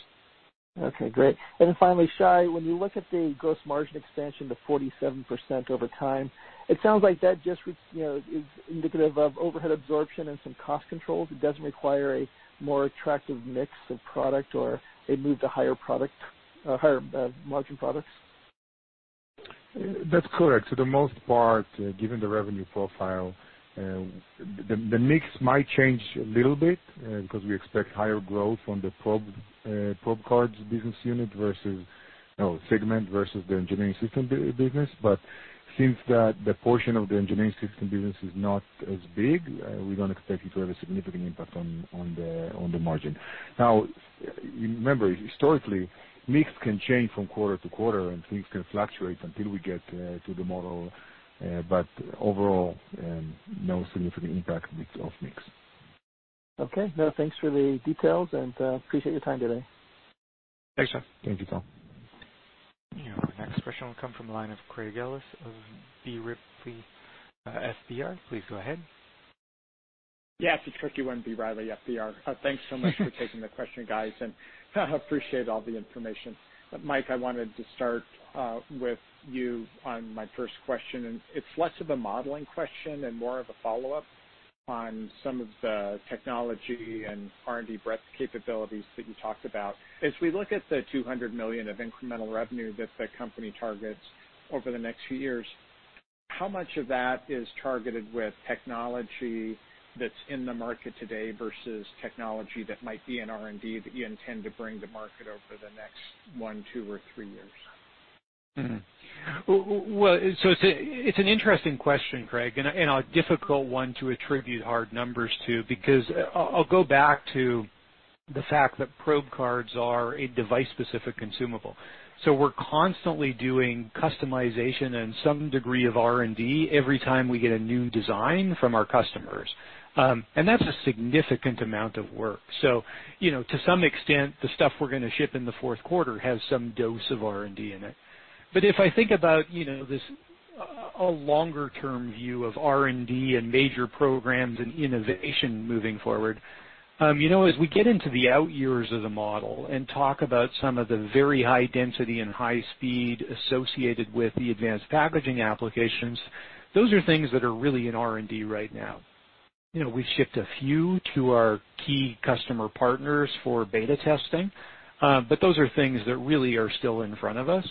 Okay, great. Finally, Shai, when you look at the gross margin expansion to 47% over time, it sounds like that just is indicative of overhead absorption and some cost controls. It doesn't require a more attractive mix of product or a move to higher margin products? That's correct. For the most part, given the revenue profile, the mix might change a little bit because we expect higher growth from the probe cards segment versus the engineering system business. Since the portion of the engineering system business is not as big, we don't expect it to have a significant impact on the margin. Now, remember, historically, mix can change from quarter to quarter, and things can fluctuate until we get to the model. Overall, no significant impact of mix. Okay. No, thanks for the details. Appreciate your time today. Thanks, Tom. Thank you, Tom. Our next question will come from the line of Craig Ellis of B. Riley FBR, please go ahead. It's a tricky one, B. Riley FBR. Thanks so much for taking the question, guys, and appreciate all the information. Mike, I wanted to start with you on my first question, and it's less of a modeling question and more of a follow-up on some of the technology and R&D breadth capabilities that you talked about. As we look at the $200 million of incremental revenue that the company targets over the next few years, how much of that is targeted with technology that's in the market today versus technology that might be in R&D that you intend to bring to market over the next one, two, or three years? It's an interesting question, Craig, and a difficult one to attribute hard numbers to because I'll go back to the fact that probe cards are a device-specific consumable. We're constantly doing customization and some degree of R&D every time we get a new design from our customers. That's a significant amount of work. To some extent, the stuff we're going to ship in the fourth quarter has some dose of R&D in it. If I think about this a longer-term view of R&D and major programs and innovation moving forward, as we get into the out years of the model and talk about some of the very high density and high speed associated with the advanced packaging applications, those are things that are really in R&D right now. We've shipped a few to our key customer partners for beta testing, those are things that really are still in front of us.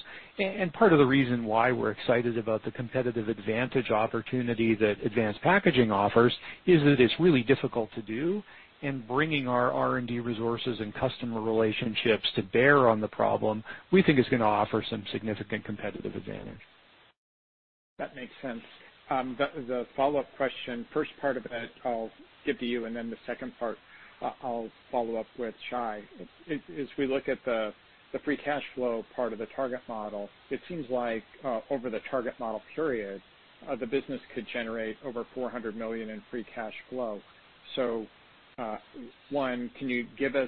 Part of the reason why we're excited about the competitive advantage opportunity that advanced packaging offers is that it's really difficult to do, and bringing our R&D resources and customer relationships to bear on the problem, we think is going to offer some significant competitive advantage. That makes sense. The follow-up question, first part of it I'll give to you, and then the second part, I'll follow up with Shai. As we look at the free cash flow part of the target model, it seems like over the target model period, the business could generate over $400 million in free cash flow. One, can you give us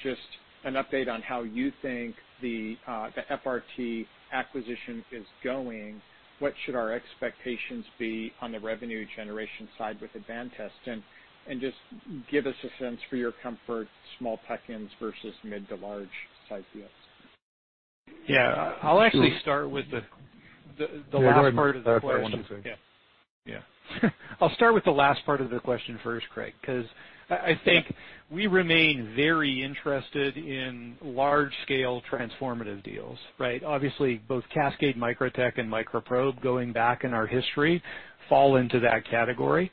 just an update on how you think the FRT acquisition is going? What should our expectations be on the revenue generation side with Advantest? Just give us a sense for your comfort, small tuck-ins versus mid to large size deals. Yeah. I'll actually start with the last part of the question. Yeah, go ahead. Yeah. I'll start with the last part of the question first, Craig, because I think we remain very interested in large-scale transformative deals, right? Obviously, both Cascade Microtech and MicroProbe going back in our history fall into that category.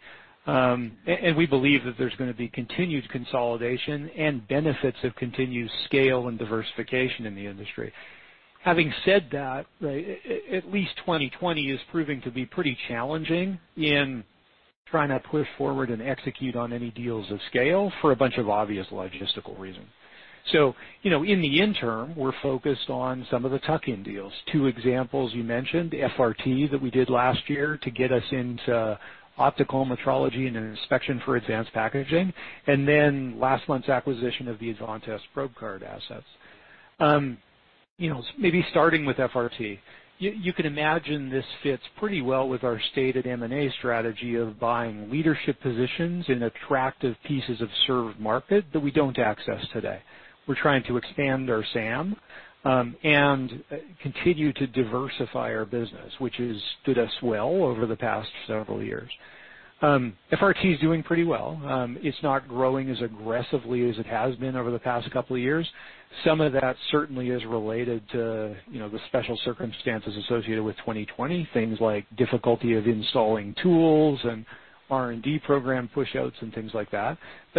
We believe that there's going to be continued consolidation and benefits of continued scale and diversification in the industry. Having said that, at least 2020 is proving to be pretty challenging in trying to push forward and execute on any deals of scale for a bunch of obvious logistical reasons. In the interim, we're focused on some of the tuck-in deals. Two examples you mentioned, FRT that we did last year to get us into optical metrology and an inspection for advanced packaging, and then last month's acquisition of the Advantest probe card assets. Maybe starting with FRT, you can imagine this fits pretty well with our stated M&A strategy of buying leadership positions in attractive pieces of served market that we don't access today. We're trying to expand our SAM, and continue to diversify our business, which has stood us well over the past several years. FRT is doing pretty well. It's not growing as aggressively as it has been over the past couple of years. Some of that certainly is related to the special circumstances associated with 2020, things like difficulty of installing tools and R&D program push-outs and things like that.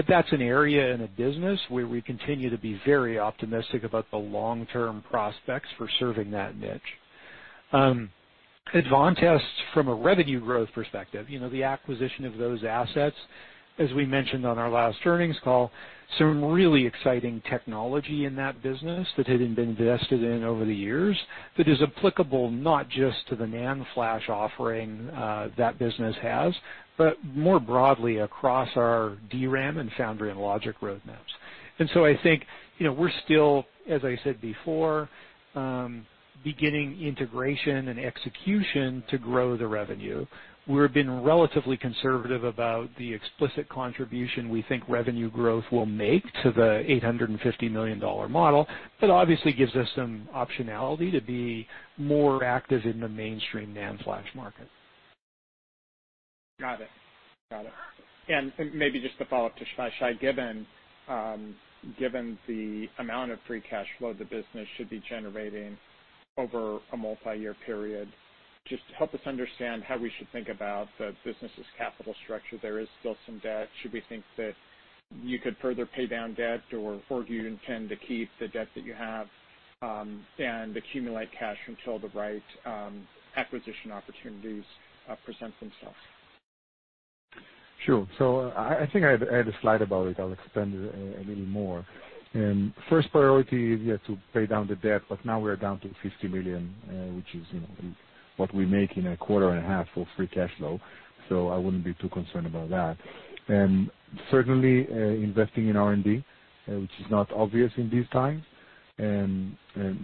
That's an area in a business where we continue to be very optimistic about the long-term prospects for serving that niche. Advantest, from a revenue growth perspective, the acquisition of those assets, as we mentioned on our last earnings call, some really exciting technology in that business that hadn't been vested in over the years that is applicable not just to the NAND flash offering that business has, but more broadly across our DRAM and foundry and logic roadmaps. I think, we're still, as I said before, beginning integration and execution to grow the revenue. We have been relatively conservative about the explicit contribution we think revenue growth will make to the $850 million model. That obviously gives us some optionality to be more active in the mainstream NAND flash market. Got it. Maybe just to follow up to Shai, given the amount of free cash flow the business should be generating over a multi-year period, just help us understand how we should think about the business' capital structure. There is still some debt. Should we think that you could further pay down debt, or do you intend to keep the debt that you have, and accumulate cash until the right acquisition opportunities present themselves? Sure. I think I had a slide about it. I'll expand a little more. First priority is, yes, to pay down the debt, but now we're down to $50 million, which is what we make in a quarter and a half of free cash flow. I wouldn't be too concerned about that. Certainly, investing in R&D, which is not obvious in these times, and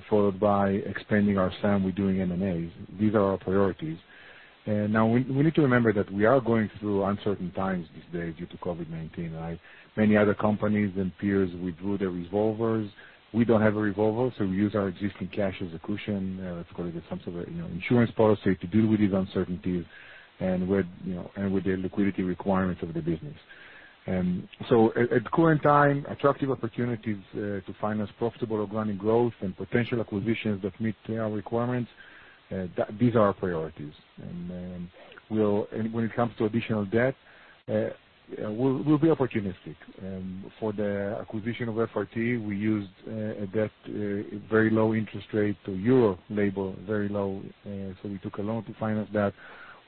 followed by expanding our SAM, we're doing M&As. These are our priorities. We need to remember that we are going through uncertain times these days due to COVID-19, right? Many other companies and peers withdrew their revolvers. We don't have a revolver, so we use our existing cash as a cushion. Let's call it some sort of insurance policy to deal with these uncertainties and with the liquidity requirements of the business. At current time, attractive opportunities to finance profitable organic growth and potential acquisitions that meet our requirements, these are our priorities. When it comes to additional debt, we'll be opportunistic. For the acquisition of FRT, we used a debt, very low interest rate to Euro label, very low, we took a loan to finance that.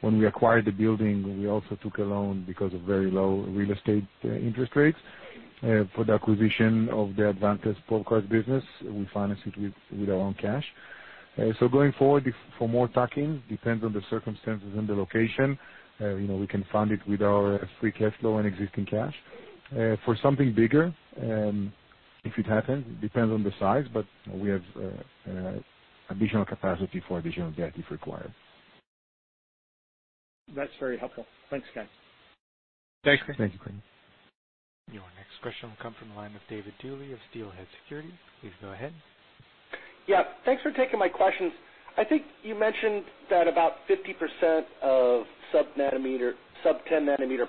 When we acquired the building, we also took a loan because of very low real estate interest rates. For the acquisition of the Advantest Probe Card business, we financed it with our own cash. Going forward, for more tuck-in, depends on the circumstances and the location. We can fund it with our free cash flow and existing cash. For something bigger, if it happens, it depends on the size, but we have additional capacity for additional debt if required. That's very helpful. Thanks, guys. Thanks. Thank you, Craig. Your next question will come from the line of David Duley of Steelhead Securities, please go ahead. Yeah, thanks for taking my questions. I think you mentioned that about 50% of sub-10 nm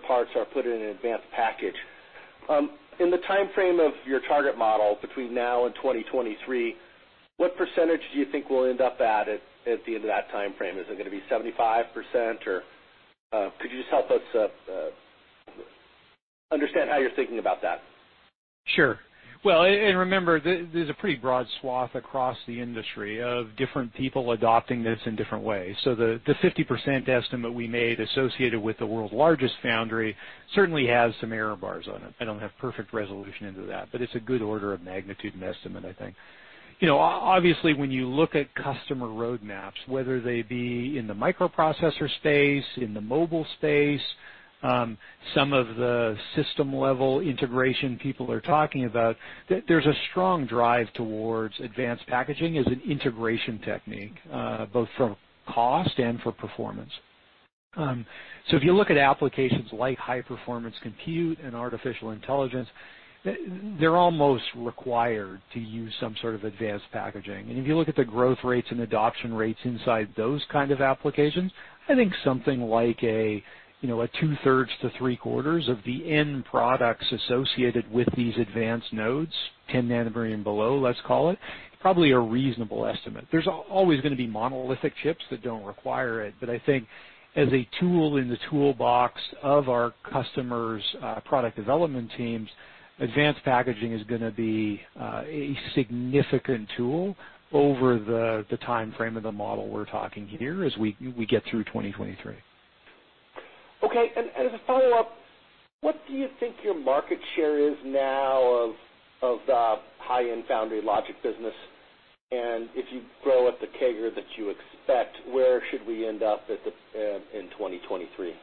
parts are put in an advanced package. In the timeframe of your target model between now and 2023, what percentage do you think we'll end up at the end of that timeframe? Is it going to be 75%? Could you just help us understand how you're thinking about that? Sure. Well, remember, there's a pretty broad swath across the industry of different people adopting this in different ways. The 50% estimate we made associated with the world's largest foundry certainly has some error bars on it. I don't have perfect resolution into that, but it's a good order of magnitude and estimate, I think. Obviously, when you look at customer roadmaps, whether they be in the microprocessor space, in the mobile space, some of the system-level integration people are talking about, there's a strong drive towards advanced packaging as an integration technique, both from cost and for performance. If you look at applications like high-performance compute and artificial intelligence, they're almost required to use some sort of advanced packaging. If you look at the growth rates and adoption rates inside those kind of applications, I think something like a two-thirds to three-quarters of the end products associated with these advanced nodes, 10 nm and below, let's call it, probably a reasonable estimate. There's always going to be monolithic chips that don't require it. I think as a tool in the toolbox of our customers' product development teams, advanced packaging is going to be a significant tool over the timeframe of the model we're talking here as we get through 2023. Okay. As a follow-up, what do you think your market share is now of the high-end foundry logic business? If you grow at the CAGR that you expect, where should we end up in 2023?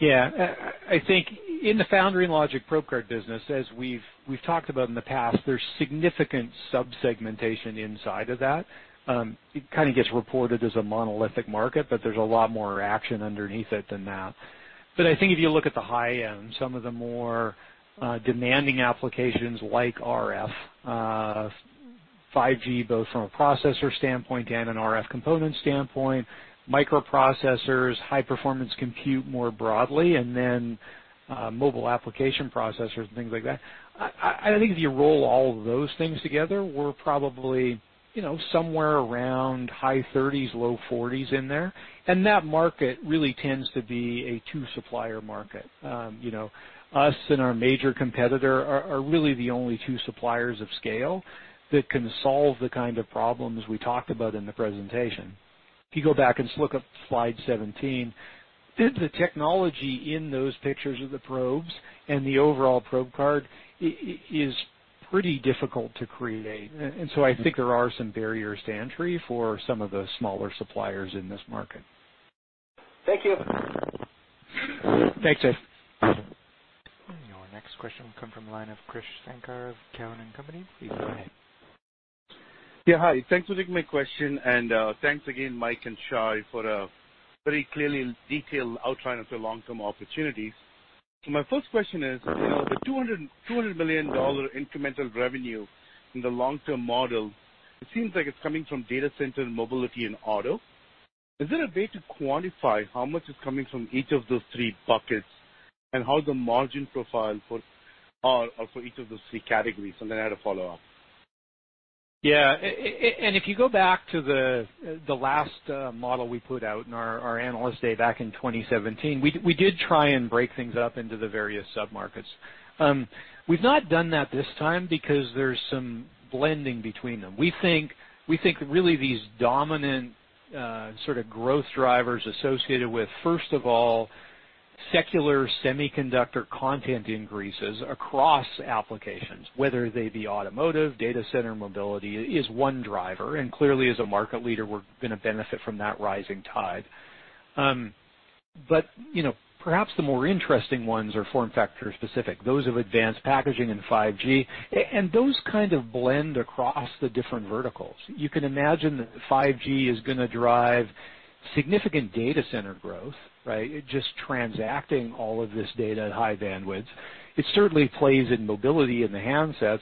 I think in the foundry and logic probe card business, as we've talked about in the past, there's significant sub-segmentation inside of that. It kind of gets reported as a monolithic market, but there's a lot more action underneath it than that. I think if you look at the high end, some of the more demanding applications like RF, 5G, both from a processor standpoint and an RF component standpoint, microprocessors, high-performance compute more broadly, and then mobile application processors and things like that. I think if you roll all of those things together, we're probably somewhere around high 30s%, low 40s% in there, and that market really tends to be a two-supplier market. Us and our major competitor are really the only two suppliers of scale that can solve the kind of problems we talked about in the presentation. If you go back and just look at slide 17, the technology in those pictures of the probes and the overall probe card is pretty difficult to create. I think there are some barriers to entry for some of the smaller suppliers in this market. Thank you. Thanks, David. Your next question will come from the line of Krish Sankar of Cowen and Company, please go ahead. Hi. Thanks for taking my question. Thanks again, Mike and Shai, for a very clearly detailed outline of the long-term opportunities. My first question is, the $200 million incremental revenue in the long-term model, it seems like it's coming from data center, mobility, and auto. Is there a way to quantify how much is coming from each of those three buckets, and how the margin profile for each of those three categories? I had a follow-up. Yeah. If you go back to the last model we put out in our Analyst Day back in 2017, we did try and break things up into the various sub-markets. We've not done that this time because there's some blending between them. We think really these dominant sort of growth drivers associated with, first of all, secular semiconductor content increases across applications, whether they be automotive, data center, mobility, is one driver, and clearly as a market leader, we're going to benefit from that rising tide. Perhaps the more interesting ones are FormFactor specific, those of advanced packaging and 5G, and those kind of blend across the different verticals. You can imagine that 5G is going to drive significant data center growth, right? Just transacting all of this data at high bandwidths. It certainly plays in mobility in the handsets,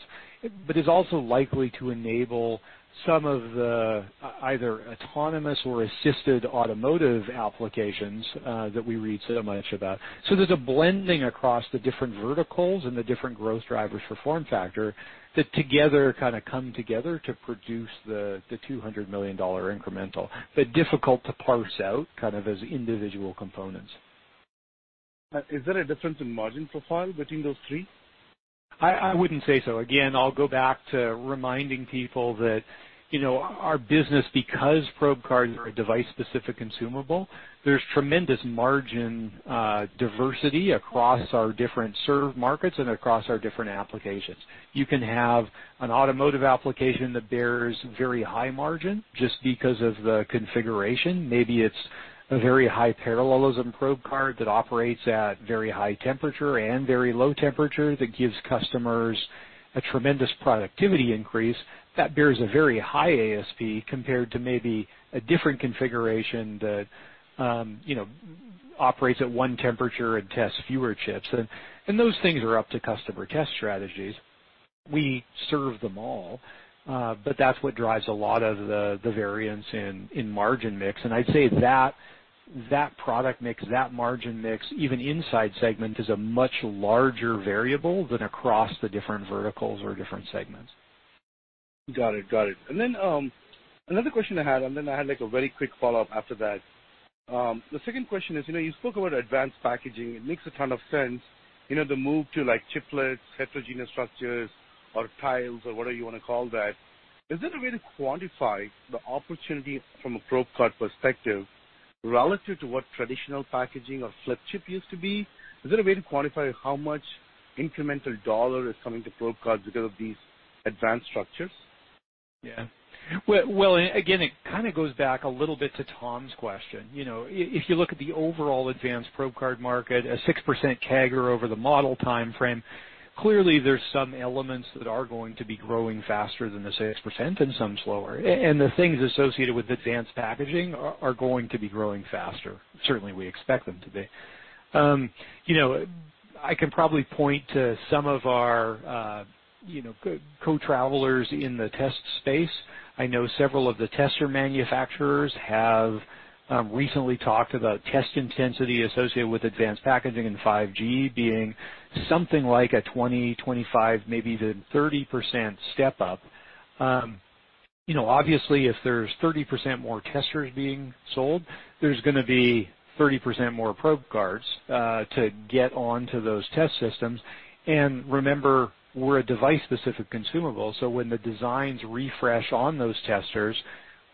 is also likely to enable some of the either autonomous or assisted automotive applications that we read so much about. There's a blending across the different verticals and the different growth drivers for FormFactor that together kind of come together to produce the $200 million incremental, but difficult to parse out kind of as individual components. Is there a difference in margin profile between those three? I wouldn't say so. I'll go back to reminding people that our business, because probe cards are a device-specific consumable, there's tremendous margin diversity across our different served markets and across our different applications. You can have an automotive application that bears very high margin just because of the configuration. Maybe it's a very high parallelism probe card that operates at very high temperature and very low temperature that gives customers a tremendous productivity increase. That bears a very high ASP compared to maybe a different configuration that operates at one temperature and tests fewer chips. Those things are up to customer test strategies. We serve them all. That's what drives a lot of the variance in margin mix, and I'd say that product mix, that margin mix, even inside segment, is a much larger variable than across the different verticals or different segments. Got it. Another question I had, and then I had a very quick follow-up after that. The second question is, you spoke about advanced packaging. It makes a ton of sense, the move to chiplets, heterogeneous structures, or tiles, or whatever you want to call that. Is there a way to quantify the opportunity from a probe card perspective relative to what traditional packaging or flip chip used to be? Is there a way to quantify how much incremental dollar is coming to probe cards because of these advanced structures? Well, again, it kind of goes back a little bit to Tom's question. If you look at the overall advanced probe card market, a 6% CAGR over the model timeframe, clearly there's some elements that are going to be growing faster than the 6% and some slower. The things associated with advanced packaging are going to be growing faster. Certainly, we expect them to be. I can probably point to some of our co-travelers in the test space. I know several of the tester manufacturers have recently talked about test intensity associated with advanced packaging and 5G being something like a 20%, 25%, maybe even 30% step-up. Obviously, if there's 30% more testers being sold, there's going to be 30% more probe cards to get onto those test systems. Remember, we're a device-specific consumable, so when the designs refresh on those testers,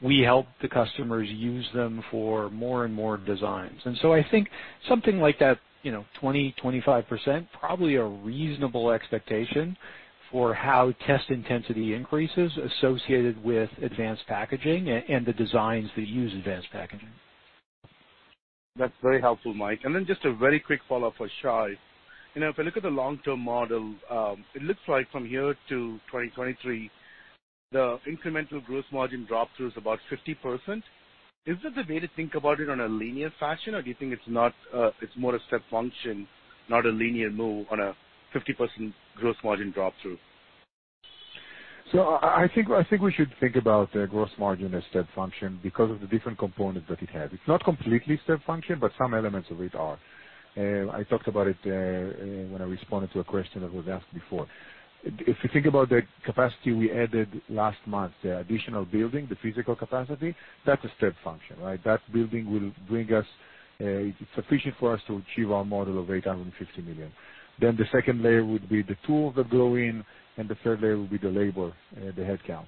we help the customers use them for more and more designs. I think something like that 20%-25% probably a reasonable expectation for how test intensity increases associated with advanced packaging and the designs that use advanced packaging. That's very helpful, Mike. Then just a very quick follow-up for Shai. If I look at the long-term model, it looks like from here to 2023, the incremental gross margin drop through is about 50%. Is that the way to think about it on a linear fashion, or do you think it's more a step function, not a linear move on a 50% gross margin drop through? I think we should think about the gross margin as step function because of the different components that it has. It's not completely step function, but some elements of it are. I talked about it when I responded to a question that was asked before. If you think about the capacity we added last month, the additional building, the physical capacity, that's a step function, right? That building will bring us. It's sufficient for us to achieve our model of $850 million. The second layer would be the tools that go in, and the third layer will be the labor, the headcount.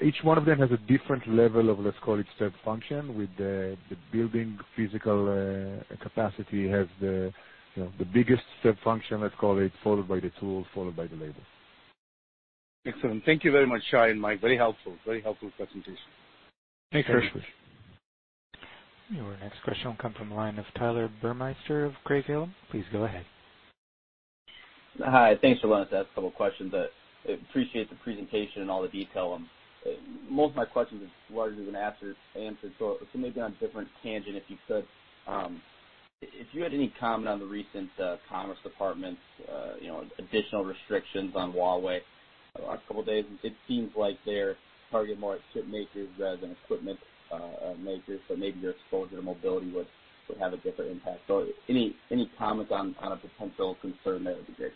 Each one of them has a different level of, let's call it step function, with the building physical capacity has the biggest step function, let's call it, followed by the tools, followed by the labor. Excellent. Thank you very much, Shai and Mike. Very helpful presentation. Thanks, Krish Your next question will come from the line of Tyler Burmeister of Craig-Hallum, please go ahead. Hi. Thanks for letting us ask a couple questions. I appreciate the presentation and all the detail. Most of my questions have largely been answered. Maybe on a different tangent, if you could comment on the recent Commerce Department's additional restrictions on Huawei a couple days. It seems like they're targeting more chip makers rather than equipment makers. Maybe your exposure to mobility would have a different impact. Any comments on a potential concern there would be great.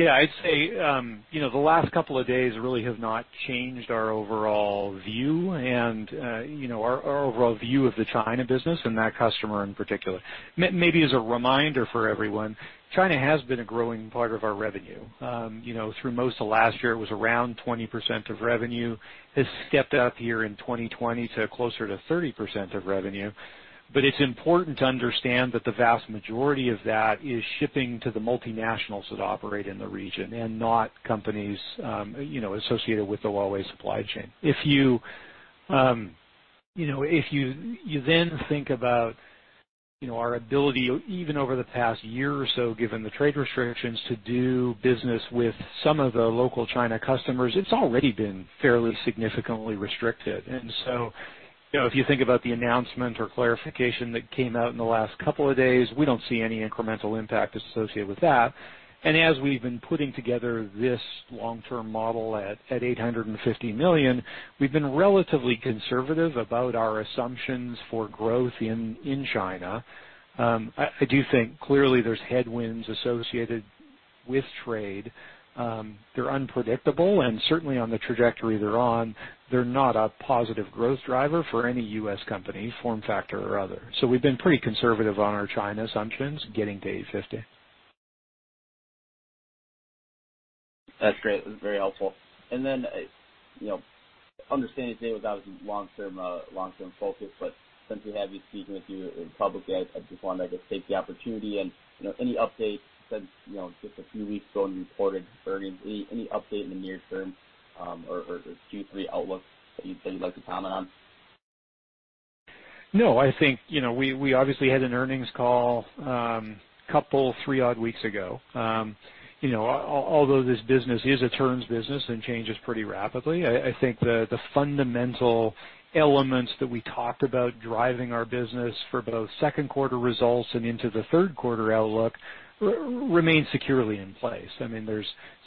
Yeah, I'd say, the last couple of days really have not changed our overall view and our overall view of the China business and that customer in particular. Maybe as a reminder for everyone, China has been a growing part of our revenue. Through most of last year, it was around 20% of revenue. Has stepped up here in 2020 to closer to 30% of revenue. It's important to understand that the vast majority of that is shipping to the multinationals that operate in the region and not companies associated with the Huawei supply chain. If you then think about our ability, even over the past year or so, given the trade restrictions, to do business with some of the local China customers, it's already been fairly significantly restricted. If you think about the announcement or clarification that came out in the last couple of days, we don't see any incremental impact associated with that. As we've been putting together this long-term model at $850 million, we've been relatively conservative about our assumptions for growth in China. I do think clearly there's headwinds associated with trade. They're unpredictable and certainly on the trajectory they're on, they're not a positive growth driver for any U.S. company, FormFactor or other. We've been pretty conservative on our China assumptions getting to $850 million. That's great. That was very helpful. Understanding today was obviously long term focus, but since we have you speaking with you publicly, I just wanted to take the opportunity and any updates since just a few weeks ago when you reported earnings. Any update in the near term, or Q3 outlook that you'd like to comment on? No, I think we obviously had an earnings call couple, three odd weeks ago. Although this business is a turns business and changes pretty rapidly, I think the fundamental elements that we talked about driving our business for both second quarter results and into the third quarter outlook remain securely in place. There's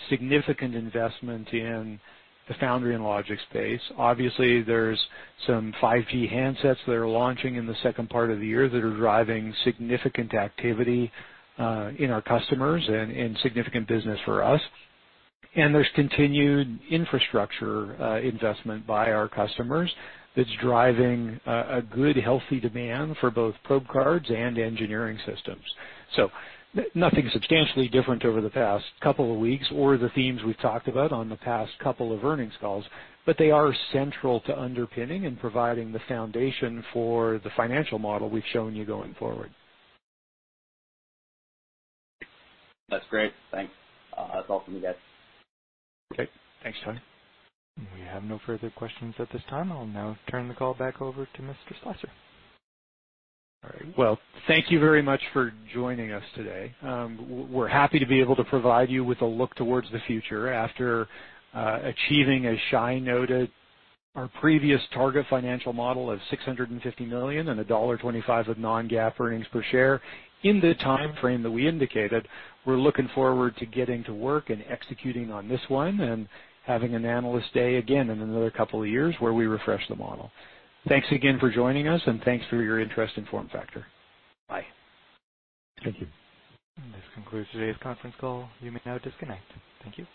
significant investment in the foundry and logic space. Obviously, there's some 5G handsets that are launching in the second part of the year that are driving significant activity in our customers and significant business for us. There's continued infrastructure investment by our customers that's driving a good, healthy demand for both probe cards and engineering systems. Nothing substantially different over the past couple of weeks or the themes we've talked about on the past couple of earnings calls, but they are central to underpinning and providing the foundation for the financial model we've shown you going forward. That's great. Thanks. That's all from me, guys. Okay. Thanks, Tyler. We have no further questions at this time. I'll now turn the call back over to Mr. Slessor. Well, thank you very much for joining us today. We're happy to be able to provide you with a look towards the future after achieving, as Shai noted, our previous target financial model of $650 million and a $1.25 of non-GAAP earnings per share in the timeframe that we indicated. We're looking forward to getting to work and executing on this one and having an Analyst Day again in another couple of years where we refresh the model. Thanks again for joining us, and thanks for your interest in FormFactor. Bye. Thank you. This concludes today's conference call, you may now disconnect. Thank you.